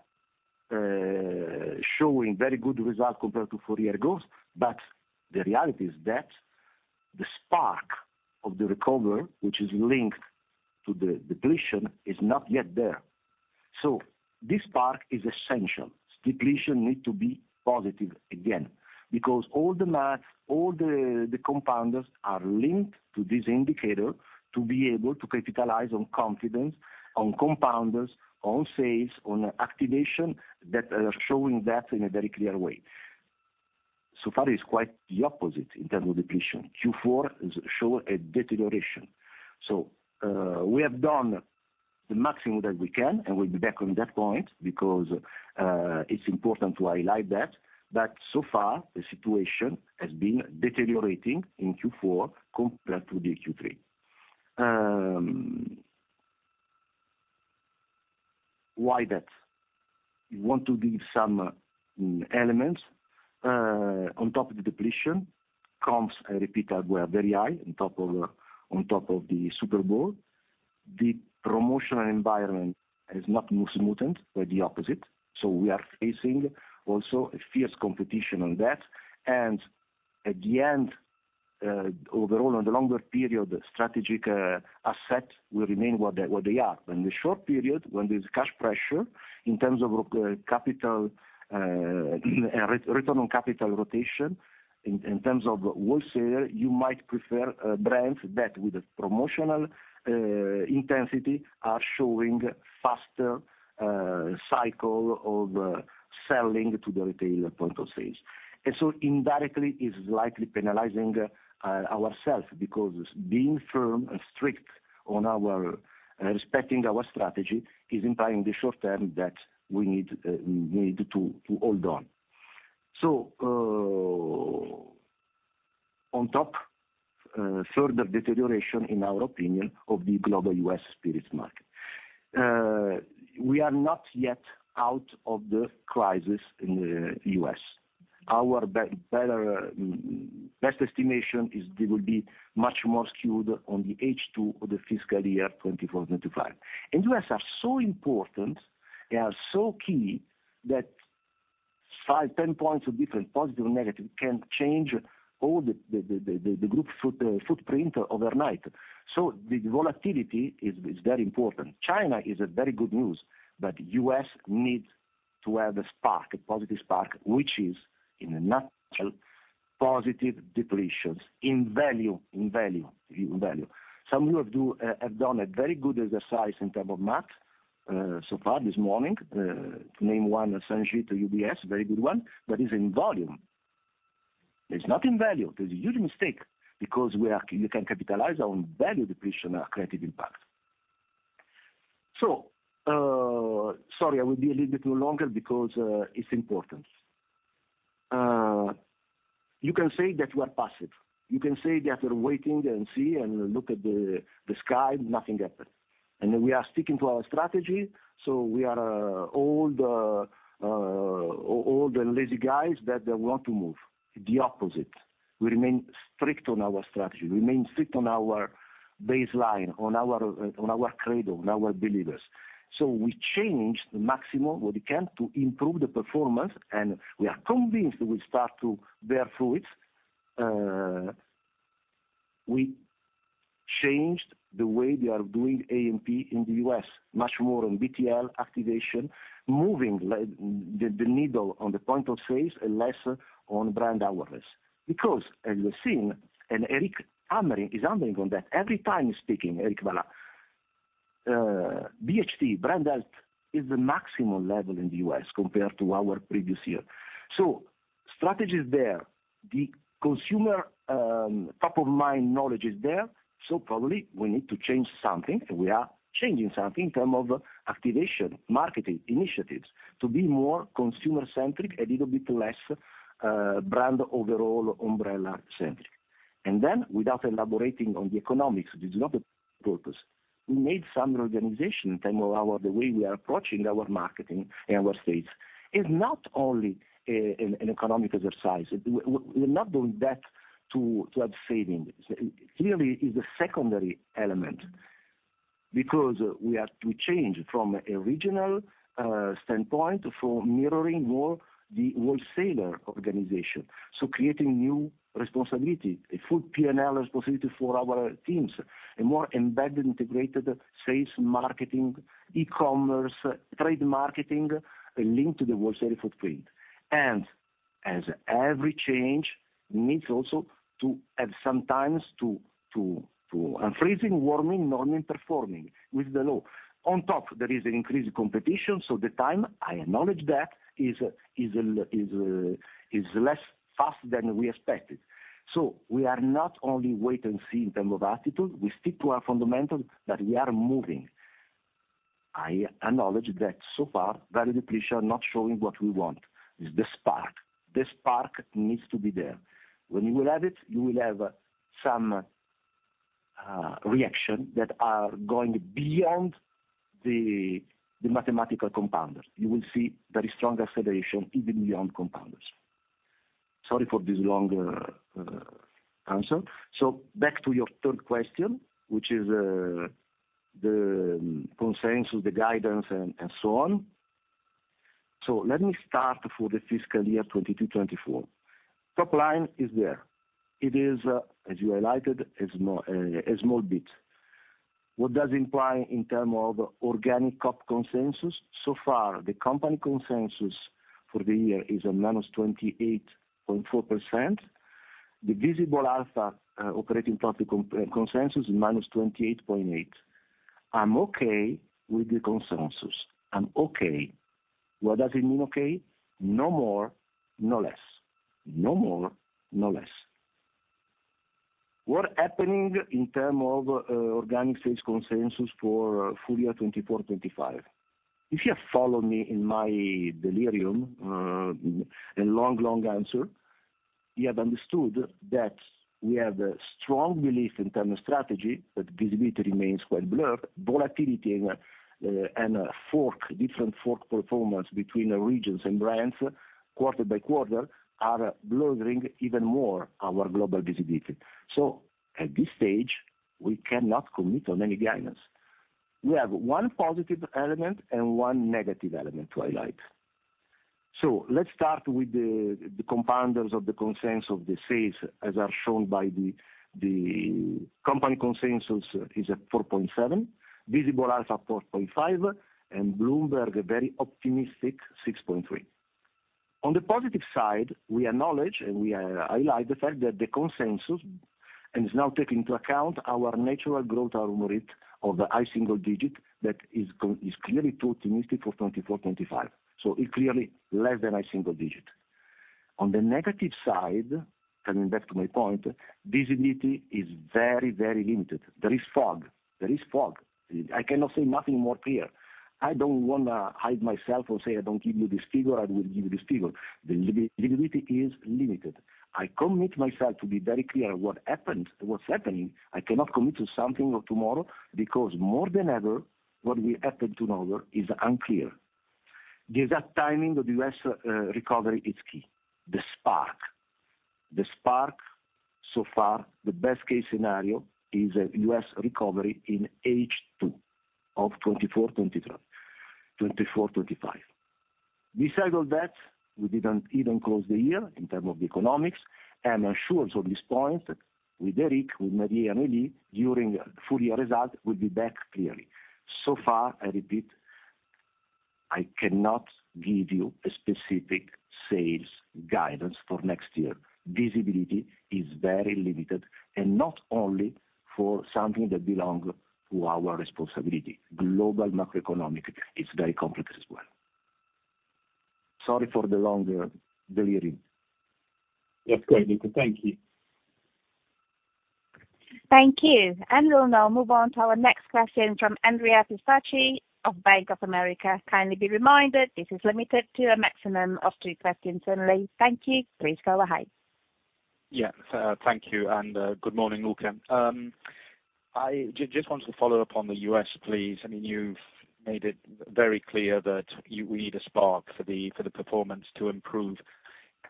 showing very good results compared to four year ago, but the reality is that the spark of the recovery, which is linked to the depletion, is not yet there. So this spark is essential. Depletion need to be positive again, because all the math, the compounders are linked to this indicator to be able to capitalize on confidence, on compounders, on sales, on activation, that are showing that in a very clear way. So far, it's quite the opposite in terms of depletion. Q4 is show a deterioration. So, we have done the maximum that we can, and we'll be back on that point because it's important to highlight that, but so far the situation has been deteriorating in Q4 compared to the Q3. Why that? We want to give some elements on top of the depletion, comps, I repeat, were very high on top of the Super Bowl. The promotional environment has not loosened, quite the opposite, so we are facing also a fierce competition on that. And at the end, overall, on the longer period, strategic asset will remain what they are. In the short period, when there's cash pressure in terms of capital return on capital rotation, in terms of wholesaler, you might prefer brands that with the promotional intensity are showing faster cycle of sell-in to the retail point of sales. So indirectly, it's likely penalizing ourself, because being firm and strict on our respecting our strategy is implying the short term that we need we need to to hold on. So on top, further deterioration in our opinion of the global U.S. spirits market. We are not yet out of the crisis in the U.S. Our better best estimation is they will be much more skewed on the H2 of the fiscal year 2024, 2025. And U.S. are so important, they are so key, that five, 10 points of different, positive, or negative, can change all the group footprint overnight. So the volatility is very important. China is a very good news, but U.S. needs to have a spark, a positive spark, which is, in a nutshell, positive depletions in value, in value, in value. Some of you have done a very good exercise in terms of math so far this morning, to name one, Sanjeet at UBS, very good one, but is in volume. It's not in value. It is a huge mistake, because you can capitalize on value depletion, creative impact. So, sorry, I will be a little bit longer because it's important. You can say that we are passive. You can say that we're waiting and see and look at the sky, nothing happens. We are sticking to our strategy, so we are old and lazy guys that they want to move. The opposite. We remain strict on our strategy. We remain strict on our baseline, on our credo, on our believers. So we changed the maximum what we can to improve the performance, and we are convinced we start to bear fruit. We changed the way we are doing A&P in the U.S., much more on BTL activation, moving like the needle on the point of sales and less on brand awareness. Because as you have seen, and Éric Vallat is hammering on that every time he's speaking, BHT, brand health, is the maximum level in the U.S. compared to our previous year. So strategy is there. The consumer top-of-mind knowledge is there, so probably we need to change something, and we are changing something in terms of activation, marketing, initiatives, to be more consumer-centric, a little bit less brand overall umbrella-centric. And then, without elaborating on the economics, this is not the purpose, we made some reorganization in terms of our, the way we are approaching our marketing and our sales. It's not only an economic exercise. We're not doing that to have savings. Clearly, it's a secondary element, because we change from a regional standpoint for mirroring more the wholesaler organization, so creating new responsibility, a full P&L responsibility for our teams, a more embedded, integrated sales, marketing, e-commerce, trade marketing, a link to the wholesaler footprint. And-... As every change needs also to have some time to unfreezing, warming, norming, performing with the low. On top, there is an increased competition, so the time, I acknowledge that, is less fast than we expected. So we are not only wait and see in terms of attitude, we stick to our fundamentals, but we are moving. I acknowledge that so far, value depletion are not showing what we want, is the spark. The spark needs to be there. When you will have it, you will have some reaction that are going beyond the mathematical compounders. You will see very strong acceleration even beyond compounders. Sorry for this long answer. So back to your third question, which is the consensus, the guidance, and so on. So let me start for the fiscal year 2022-2024. Top line is there. It is, as you highlighted, a small, a small bit. What does it imply in terms of organic top consensus? So far, the company consensus for the year is a -28.4%. The Visible Alpha operating profit consensus is -28.8%. I'm okay with the consensus. I'm okay. What does it mean, okay? No more, no less. No more, no less. What's happening in terms of organic sales consensus for full year 2024, 2025? If you have followed me in my delirium, a long, long answer, you have understood that we have a strong belief in terms of strategy, but visibility remains quite blurred. Volatility and a fork, different fork performance between the regions and brands, quarter by quarter, are blurring even more our global visibility. So at this stage, we cannot commit on any guidance. We have one positive element and one negative element to highlight. So let's start with the compounders of the consensus of the sales, as are shown by the company consensus is at 4.7, Visible Alpha, 4.5, and Bloomberg, a very optimistic 6.3. On the positive side, we acknowledge and we highlight the fact that the consensus and is now taking into account our natural growth, our rate of the high single digit that is clearly too optimistic for 2024, 2025. So it's clearly less than a single digit. On the negative side, coming back to my point, visibility is very, very limited. There is fog. There is fog. I cannot say nothing more clear. I don't wanna hide myself or say, "I don't give you this figure, I will give you this figure." The visibility is limited. I commit myself to be very clear what happened, what's happening. I cannot commit to something of tomorrow, because more than ever, what will happen tomorrow is unclear. The exact timing of the U.S. recovery is key. The spark. The spark, so far, the best case scenario is a U.S. recovery in H2 of 2024, 2023... 2024, 2025. Besides all that, we didn't even close the year in terms of economics. I'm assured of this point, with Éric, with Marie-Amélie, during full year results, we'll be back clearly. So far, I repeat, I cannot give you a specific sales guidance for next year. Visibility is very limited, and not only for something that belong to our responsibility. Global macroeconomic is very complex as well. Sorry for the longer delirium. That's great, Luca. Thank you. Thank you. We'll now move on to our next question from Andrea Pistacchi of Bank of America. Kindly be reminded, this is limited to a maximum of two questions only. Thank you. Please go ahead. Yeah. Thank you, and good morning, Luca. I just wanted to follow up on the U.S., please. I mean, you've made it very clear that you, we need a spark for the performance to improve.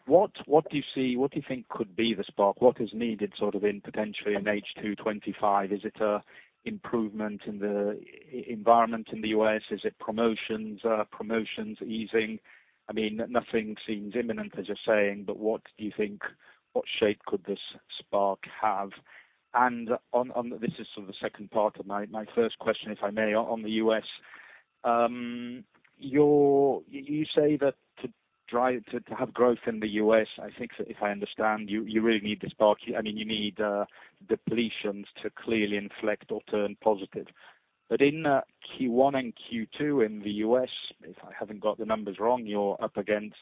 What do you see, what do you think could be the spark? What is needed, sort of, potentially in H2 2025? Is it an improvement in the environment in the U.S.? Is it promotions, promotions easing? I mean, nothing seems imminent, as you're saying, but what do you think, what shape could this spark have? And on... This is sort of the second part of my first question, if I may, on the U.S. You say that to drive to have growth in the U.S., I think if I understand you, you really need this spark. I mean, you need depletions to clearly inflect or turn positive. But in Q1 and Q2 in the U.S., if I haven't got the numbers wrong, you're up against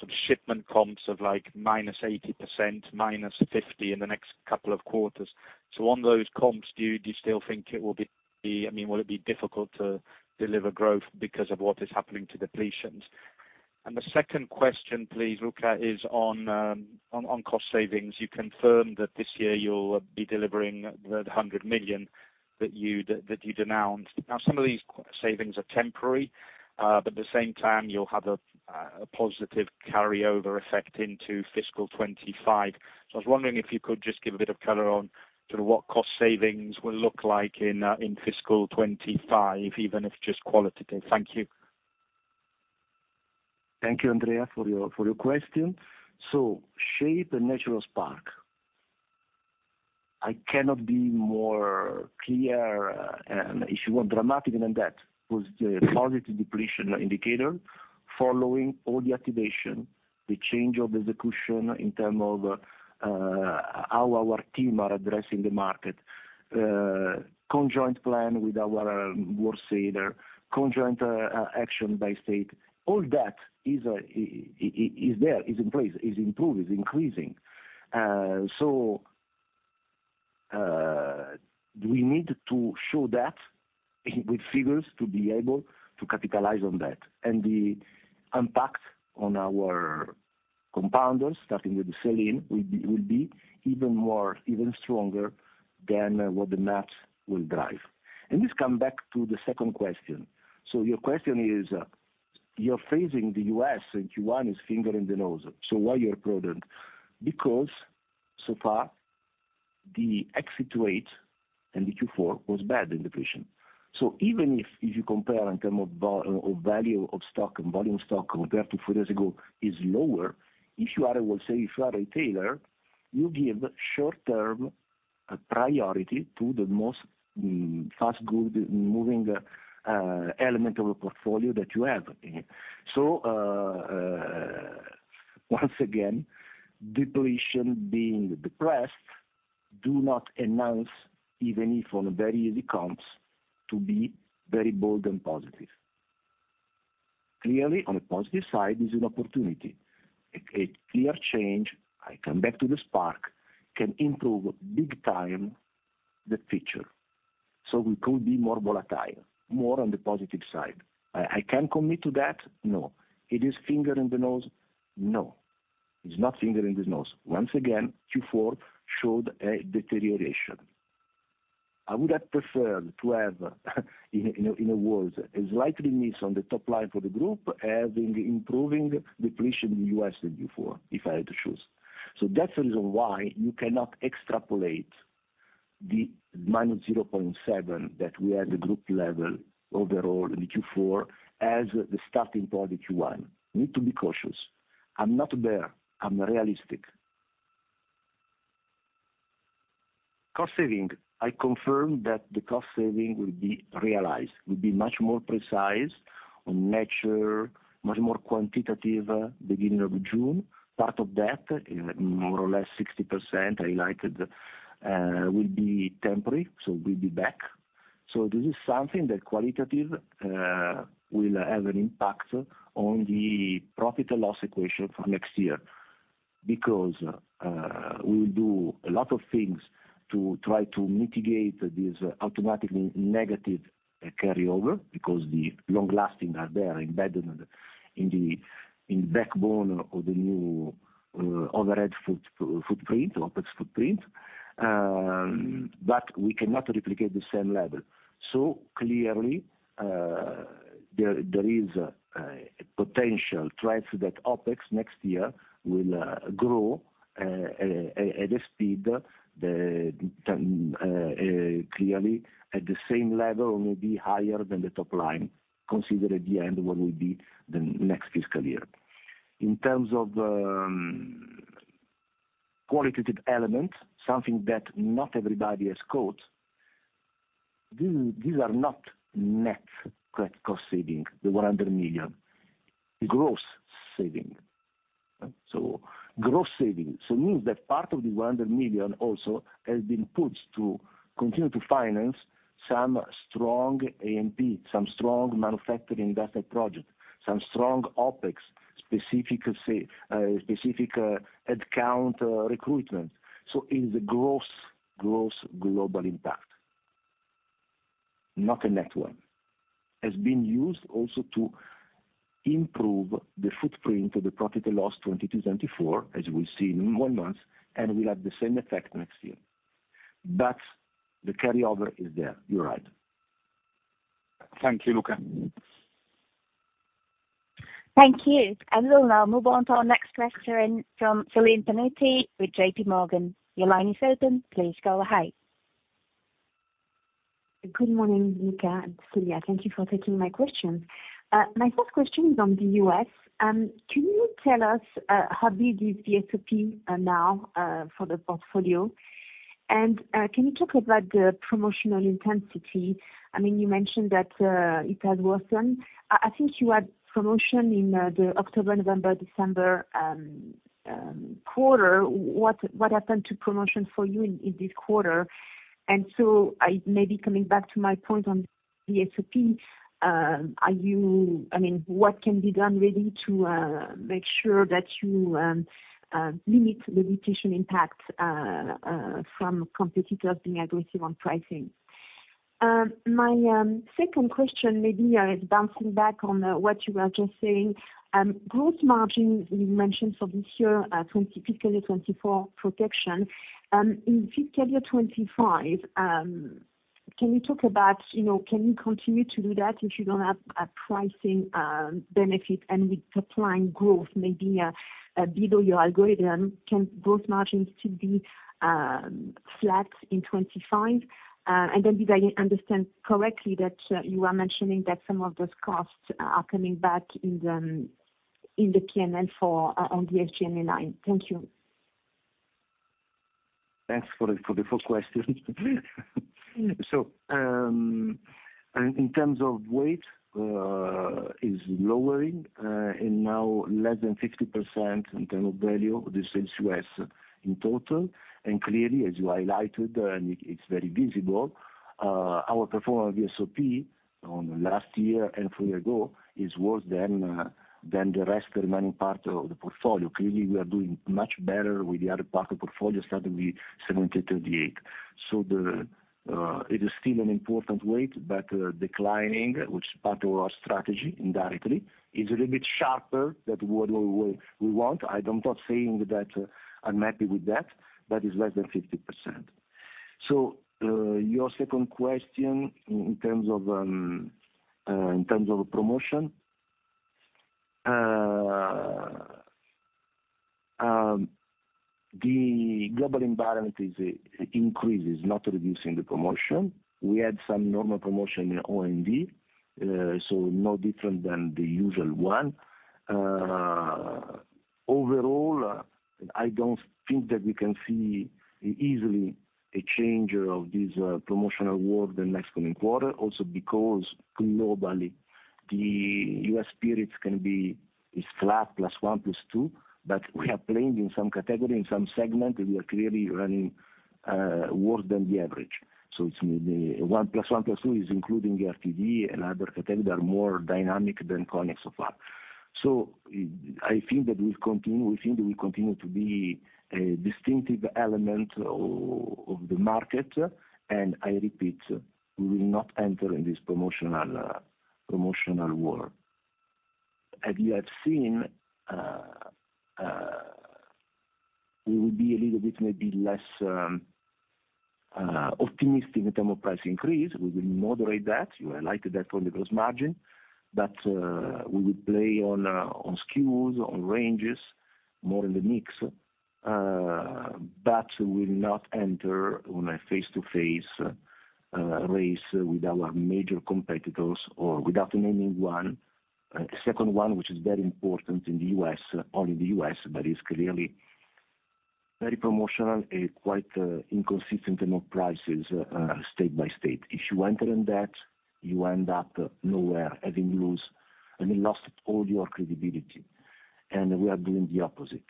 some shipment comps of, like, -80%, -50% in the next couple of quarters. So on those comps, do you still think it will be, I mean, will it be difficult to deliver growth because of what is happening to depletions? And the second question, please, Luca, is on cost savings. You confirmed that this year you'll be delivering the 100 million that you announced. Now, some of these cost savings are temporary, but at the same time, you'll have a positive carryover effect into fiscal 2025. I was wondering if you could just give a bit of color on sort of what cost savings will look like in fiscal 25, even if just qualitatively. Thank you. Thank you, Andrea, for your question. So shape the natural spark. I cannot be more clear, and if you want, dramatic than that, was the positive depletion indicator following all the activation, the change of execution in terms of how our team are addressing the market. Joint plan with our wholesaler, joint action by state, all that is there, is in place, is improved, is increasing. So, we need to show that with figures to be able to capitalize on that. And the impact on our compounders, starting with the sell-in, will be, will be even more, even stronger than what the maps will drive. And this come back to the second question. So your question is, you're phrasing the U.S. in Q1 is finger in the nose, so why you are prudent? Because so far, the exit rate in the Q4 was bad in depletion. So even if, if you compare in terms of value, of stock and volume stock compared to four days ago, is lower, if you are, I will say if you are a retailer, you give short-term priority to the most, fast-moving, element of a portfolio that you have in it. So, once again, depletion being depressed do not announce, even if on very easy counts, to be very bold and positive. Clearly, on the positive side, is an opportunity. A clear change, I come back to the spark, can improve big time the picture, so we could be more volatile, more on the positive side. I can commit to that? No. It is finger in the nose? No, it's not finger in the nose. Once again, Q4 showed a deterioration. I would have preferred to have, in a word, a slight release on the top line for the group, having improving depletion in the U.S. than Q4, if I had to choose. So that's the reason why you cannot extrapolate the minus 0.7% that we had at the group level overall in the Q4 as the starting point of Q1. Need to be cautious. I'm not there, I'm realistic. Cost savings, I confirm that the cost savings will be realized, will be much more precise on nature, much more quantitative, beginning of June. Part of that, more or less 60%, I highlighted, will be temporary, so will be back. So this is something that's qualitative, will have an impact on the profit and loss equation for next year. Because, we will do a lot of things to try to mitigate this automatically negative carryover, because the long lasting are there, embedded in the, in the backbone of the new, overhead footprint, OpEx footprint. But we cannot replicate the same level. So clearly, there, there is, a potential threat that OpEx next year will, grow, at, at a speed, clearly at the same level or maybe higher than the top line, consider at the end what will be the next fiscal year. In terms of, qualitative elements, something that not everybody has caught, these, these are not net cost saving, the 100 million. Gross saving, so gross saving. So it means that part of the 100 million also has been put to continue to finance some strong A&P, some strong manufacturing investment projects, some strong OpEx, specific head count recruitment. So it's a gross, gross global impact, not a net one. Has been used also to improve the footprint of the profit and loss 2020 to 2024, as we'll see in one month, and will have the same effect next year. But the carryover is there, you're right. Thank you, Luca. Thank you. We'll now move on to our next question from Celine Pannuti, with JPMorgan. Your line is open, please go ahead. Good morning, Luca, I'm Celine. Thank you for taking my questions. My first question is on the U.S. Can you tell us how big is the VSOP now for the portfolio? And can you talk about the promotional intensity? I mean, you mentioned that it had worsened. I think you had promotion in the October, November, December quarter. What happened to promotion for you in this quarter? And so maybe coming back to my point on the VSOP, are you—I mean, what can be done really to make sure that you limit the mutation impact from competitors being aggressive on pricing? My second question maybe is bouncing back on what you were just saying. Gross margin, you mentioned for this year, 20, fiscal year 2024 protection. In fiscal year 2025, can you talk about, you know, can you continue to do that if you don't have a pricing, benefit and with top line growth, maybe, a below your algorithm, can gross margins still be, flat in 2025? And then did I understand correctly that, you are mentioning that some of those costs are coming back in the P&L for, on the bottom line? Thank you. Thanks for the four questions. So, in terms of weight is lowering and now less than 50% in terms of value, this is U.S. in total, and clearly, as you highlighted, it's very visible, our performance VSOP on last year and three ago is worse than the rest remaining part of the portfolio. Clearly, we are doing much better with the other part of portfolio, starting with 1738. So it is still an important weight, but declining, which is part of our strategy indirectly, is a little bit sharper than what we want. I don't think saying that I'm happy with that, but it's less than 50%. So, your second question in terms of promotion, the global environment is increases, not reducing the promotion. We had some normal promotion in OND, so no different than the usual one. Overall, I don't think that we can see easily a change of this promotional world the next coming quarter, also because globally, the U.S. spirits can be is flat +1, +2, but we have planned in some category, in some segment, we are clearly running worse than the average. So it's maybe 1, +1, +2 is including the RTD and other category that are more dynamic than Cognac so far. So I think we continue to be a distinctive element of the market, and I repeat, we will not enter in this promotional, promotional world. As you have seen, we will be a little bit, maybe less, optimistic in term of price increase. We will moderate that. You highlighted that on the gross margin, but we will play on, on SKUs, on ranges, more in the mix, but we will not enter on a face-to-face, race with our major competitors or without naming one. Second one, which is very important in the U.S., only the U.S., but is clearly very promotional and quite, inconsistent in all prices, state by state. If you enter in that, you end up nowhere, having lost, and you lost all your credibility, and we are doing the opposite.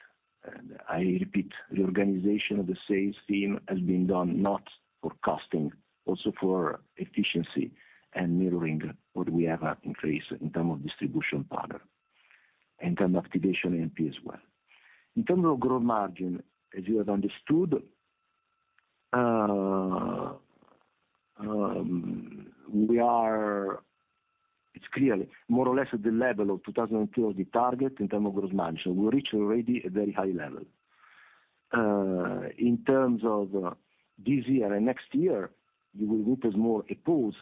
I repeat, the organization of the sales team has been done not for costing, also for efficiency and mirroring what we have increased in terms of distribution partner, in terms of activation A&P as well. In terms of growth margin, as you have understood, it's clearly more or less at the level of 72%, the target in terms of gross margin. We reach already a very high level. In terms of this year and next year, you will look as more a pause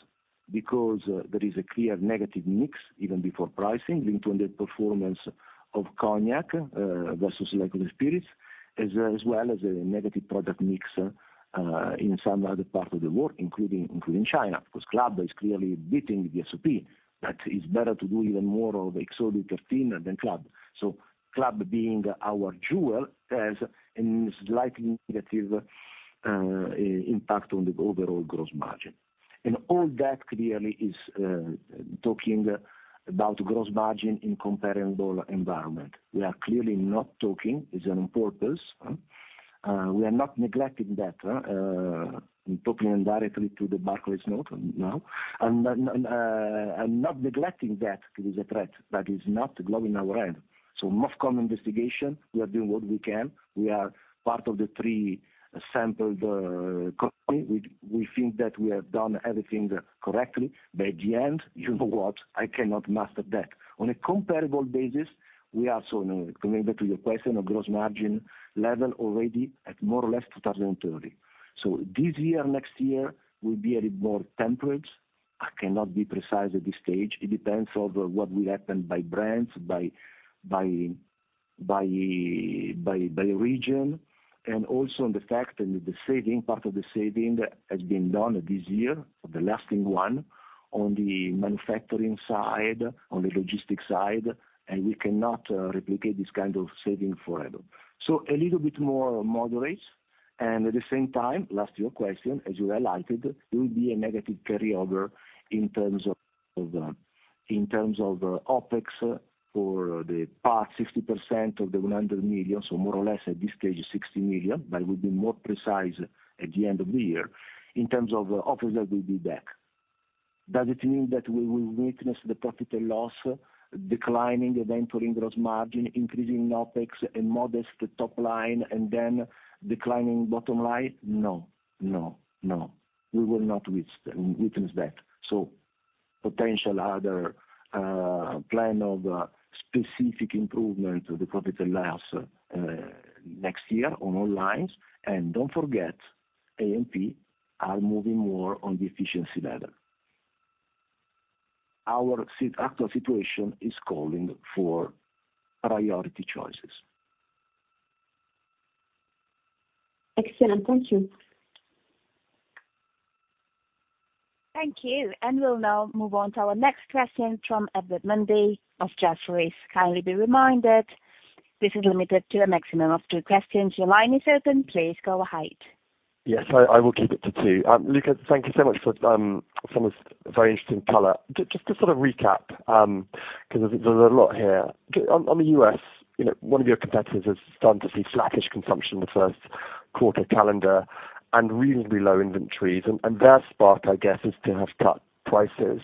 because there is a clear negative mix even before pricing, linked on the performance of Cognac versus Liqueur & Spirits, as well as a negative product mix in some other parts of the world, including China, because Club is clearly beating the VSOP, but it's better to do even more of XO than Club. So Club being our jewel, has a slightly negative impact on the overall gross margin. And all that clearly is talking about gross margin in comparable environment. We are clearly not talking; it's on purpose, huh? We are not neglecting that. I'm talking directly to the Barclays note now, and not neglecting that it is a threat that is not glowing our end. So more common investigation, we are doing what we can. We are part of the three sampled company. We think that we have done everything correctly, but at the end, you know what? I cannot master that. On a comparable basis, we are so, to come back to your question of gross margin level already at more or less 73%. So this year, next year will be a little more temperate. I cannot be precise at this stage. It depends on what will happen by brands, by region, and also on the fact that the saving, part of the saving has been done this year, the lasting one, on the manufacturing side, on the logistic side, and we cannot replicate this kind of saving forever. So a little bit more moderate, and at the same time, last to your question, as you highlighted, there will be a negative carryover in terms of, in terms of, OpEx for the past 60% of the 100 million, so more or less at this stage, 60 million, but we'll be more precise at the end of the year. In terms of OpEx, that will be back. Does it mean that we will witness the profit and loss declining and entering gross margin, increasing OpEx and modest top line, and then declining bottom line? No, no, no, we will not witness that. So potential other, plan of, specific improvement of the profit and loss, next year on all lines, and don't forget, A&P are moving more on the efficiency level. Our actual situation is calling for priority choices. Excellent. Thank you. Thank you. We'll now move on to our next question from Edward Mundy of Jefferies. Kindly be reminded, this is limited to a maximum of two questions. Your line is open. Please go ahead. Yes, I will keep it to two. Luca, thank you so much for some of this very interesting color. Just to sort of recap, because there's a lot here. On the U.S., you know, one of your competitors has started to see flattish consumption in the first quarter calendar and reasonably low inventories, and their spark, I guess, is to have cut prices.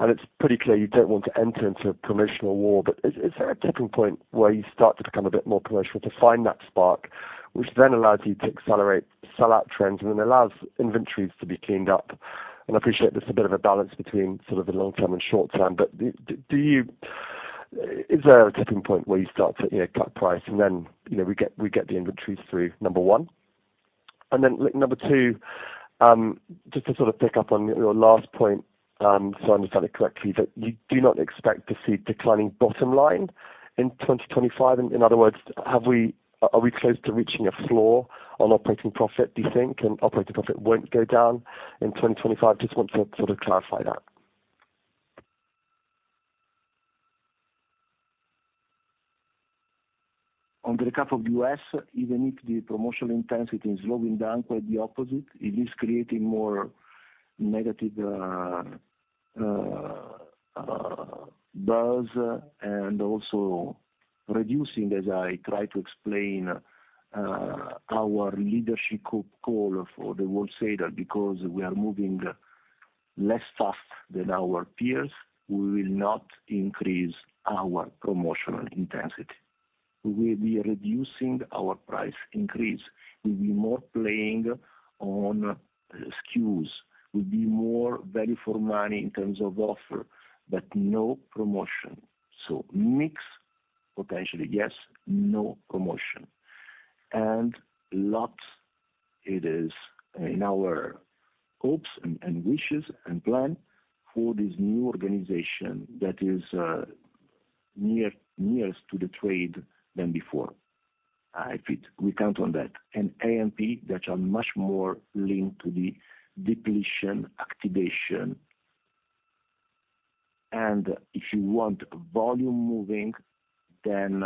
And it's pretty clear you don't want to enter into a promotional war, but is there a tipping point where you start to become a bit more promotional to find that spark, which then allows you to accelerate sellout trends and then allows inventories to be cleaned up? And I appreciate there's a bit of a balance between sort of the long term and short term, but do you... Is there a tipping point where you start to, you know, cut price, and then, you know, we get, we get the inventories through? Number one. And then number two, just to sort of pick up on your last point, so I understand it correctly, that you do not expect to see declining bottom line in 2025? In other words, have we, are we close to reaching a floor on operating profit, do you think, and operating profit won't go down in 2025? Just want to sort of clarify that. On the recap of U.S., even if the promotional intensity is slowing down, quite the opposite, it is creating more negative buzz, and also reducing, as I try to explain, our leadership call for the world said that because we are moving less fast than our peers, we will not increase our promotional intensity. We will be reducing our price increase. We'll be more playing on SKUs, we'll be more value for money in terms of offer, but no promotion. So mix, potentially, yes, no promotion. And lot, it is in our hopes and wishes, and plan for this new organization that is nearer to the trade than before. We count on that. A&P that are much more linked to the depletion activation, and if you want volume moving, then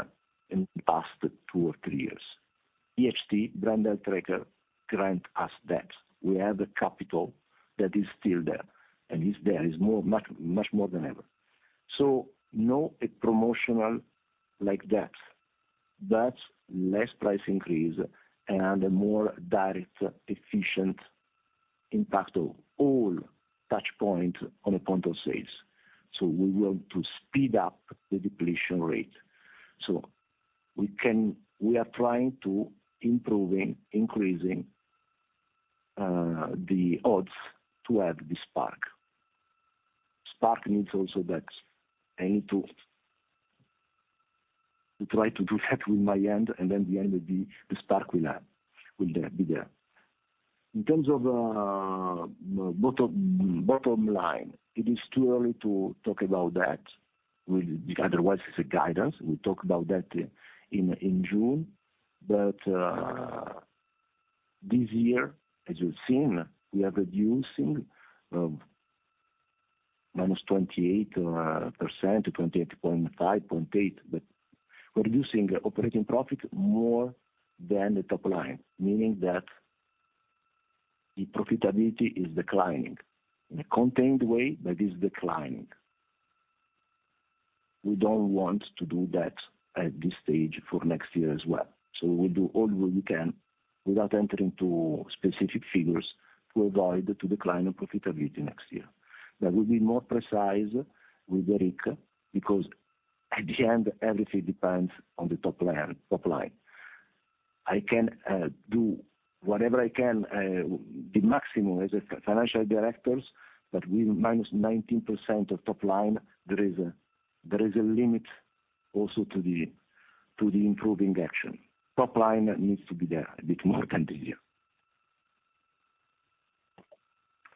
in the past two or three years, BHT brand health tracker grant us that. We have the capital that is still there, and it's there, it's more, much, much more than ever. So no a promotional like that, but less price increase and a more direct, efficient impact of all touchpoint on a point of sales. So we want to speed up the depletion rate. So we can -- we are trying to improving, increasing, the odds to have the spark. Spark needs also that. I need to, to try to do that with my end, and then the end will be, the spark will have, will there, be there. In terms of bottom line, it is too early to talk about that. Otherwise, it's a guidance. We talk about that in June. But this year, as you've seen, we are reducing -28.58%, but reducing operating profit more than the top line, meaning that the profitability is declining. In a contained way, but is declining. We don't want to do that at this stage for next year as well, so we will do all we can without entering into specific figures to avoid to decline in profitability next year. That will be more precise with the ROC, because at the end everything depends on the top line, top line. I can do whatever I can, the maximum as a financial director, but with -19% of top line, there is a limit also to the improving action. Top line needs to be there a bit more than this year.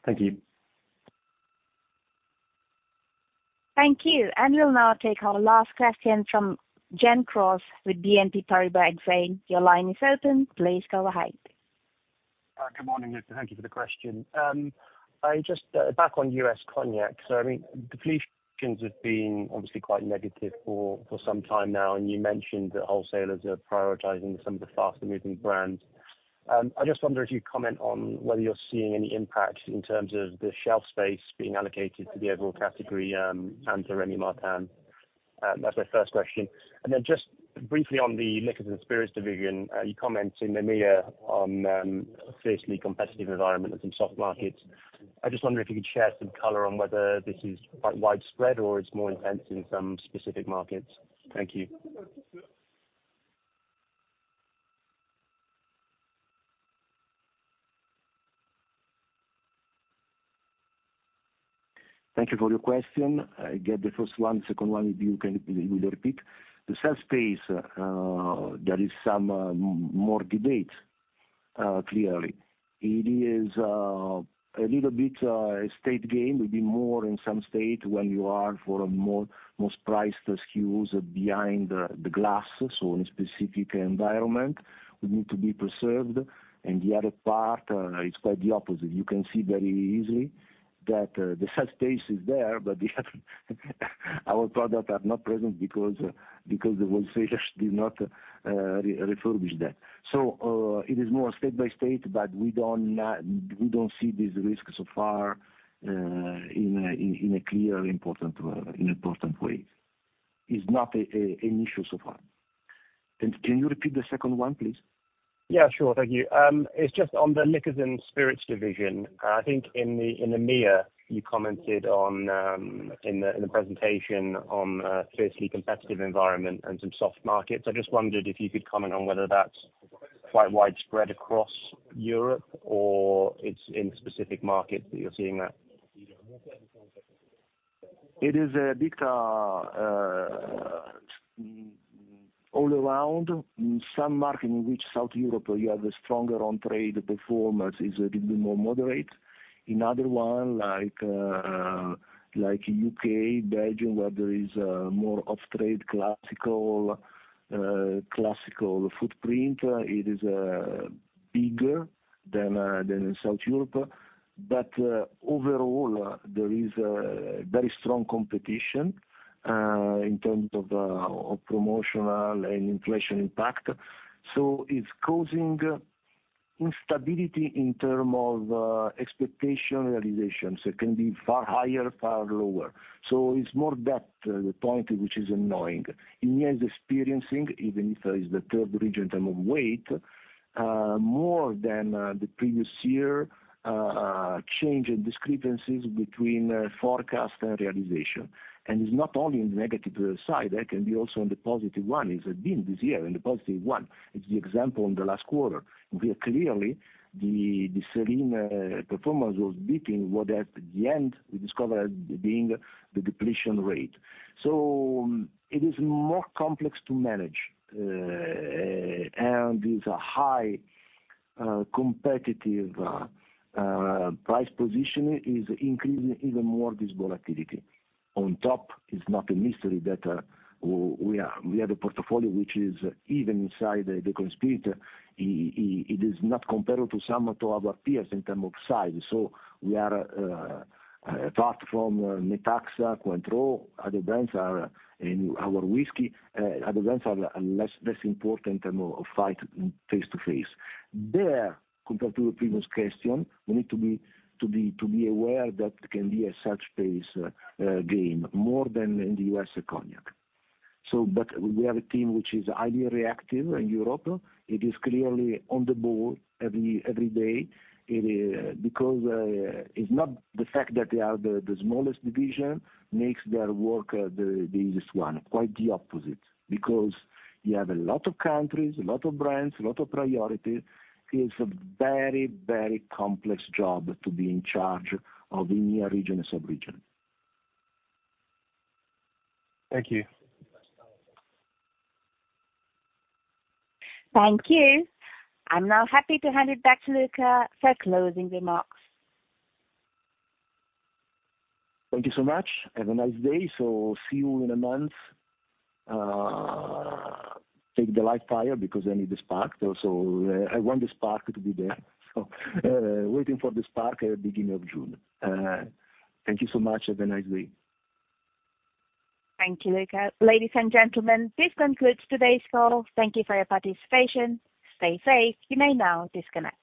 Thank you. Thank you. We'll now take our last question from Gen Cross with BNP Paribas. Your line is open. Please go ahead. Good morning, everyone, thank you for the question. I just back on U.S. Cognac. So, I mean, depletions have been obviously quite negative for some time now, and you mentioned that wholesalers are prioritizing some of the faster moving brands. I just wonder if you'd comment on whether you're seeing any impact in terms of the shelf space being allocated to the overall category, and to Rémy Martin? That's my first question. And then just briefly on the Liqueurs & Spirits division, you commented in the EMEA on a fiercely competitive environment and some soft markets. I just wonder if you could share some color on whether this is quite widespread or it's more intense in some specific markets. Thank you. Thank you for your question. I get the first one, second one, if you can, repeat. The shelf space, there is some more debate, clearly. It is a little bit a state game, maybe more in some state when you are for a more, most priced SKUs behind the glass, so in a specific environment, we need to be preserved, and the other part is quite the opposite. You can see very easily that the shelf space is there, but we have our products are not present because the wholesalers did not refurbish that. So it is more state by state, but we don't see this risk so far in a clear, important way. It's not an issue so far. Can you repeat the second one, please? Yeah, sure. Thank you. It's just on the Liqueurs & Spirits division. I think in the EMEA, you commented on in the presentation on a fiercely competitive environment and some soft markets. I just wondered if you could comment on whether that's quite widespread across Europe, or it's in specific markets that you're seeing that? It is a bit, all around. In some market, in which South Europe you have a stronger on-trade performance, is a little bit more moderate. In other one, like, like U.K., Belgium, where there is, more off-trade, classical, classical footprint, it is, bigger than, than in South Europe. But, overall, there is a very strong competition, in terms of, of promotional and inflation impact. So it's causing instability in term of, expectation realization, so it can be far higher, far lower. So it's more that, the point which is annoying. EMEA is experiencing, even if, it's the third region in term of weight, more than, the previous year, change and discrepancies between, forecast and realization. It's not only in the negative side, that can be also on the positive one. It's been this year in the positive one. It's the example in the last quarter, where clearly the sell-in performance was beating what at the end we discovered being the depletion rate. So it is more complex to manage, and a high competitive price position is increasing even more this volatility. On top, it's not a mystery that we are, we have a portfolio which is even inside the company, it is not comparable to some of our peers in terms of size. So we are apart from Metaxa, Cointreau, other brands are in our whiskey, other brands are less important in terms of fight face-to-face. There, compared to your previous question, we need to be aware that can be such a pace game, more than in the U.S. Cognac. But we have a team which is highly reactive in Europe. It is clearly on the ball every day. Because it's not the fact that they are the smallest division makes their work the easiest one, quite the opposite, because you have a lot of countries, a lot of brands, a lot of priorities. It's a very, very complex job to be in charge of EMEA region and sub-region. Thank you. Thank you. I'm now happy to hand it back to Luca for closing remarks. Thank you so much. Have a nice day, see you in a month. Take the light fire because I need the spark, I want the spark to be there. Waiting for the spark at the beginning of June. Thank you so much. Have a nice day. Thank you, Luca. Ladies and gentlemen, this concludes today's call. Thank you for your participation. Stay safe. You may now disconnect.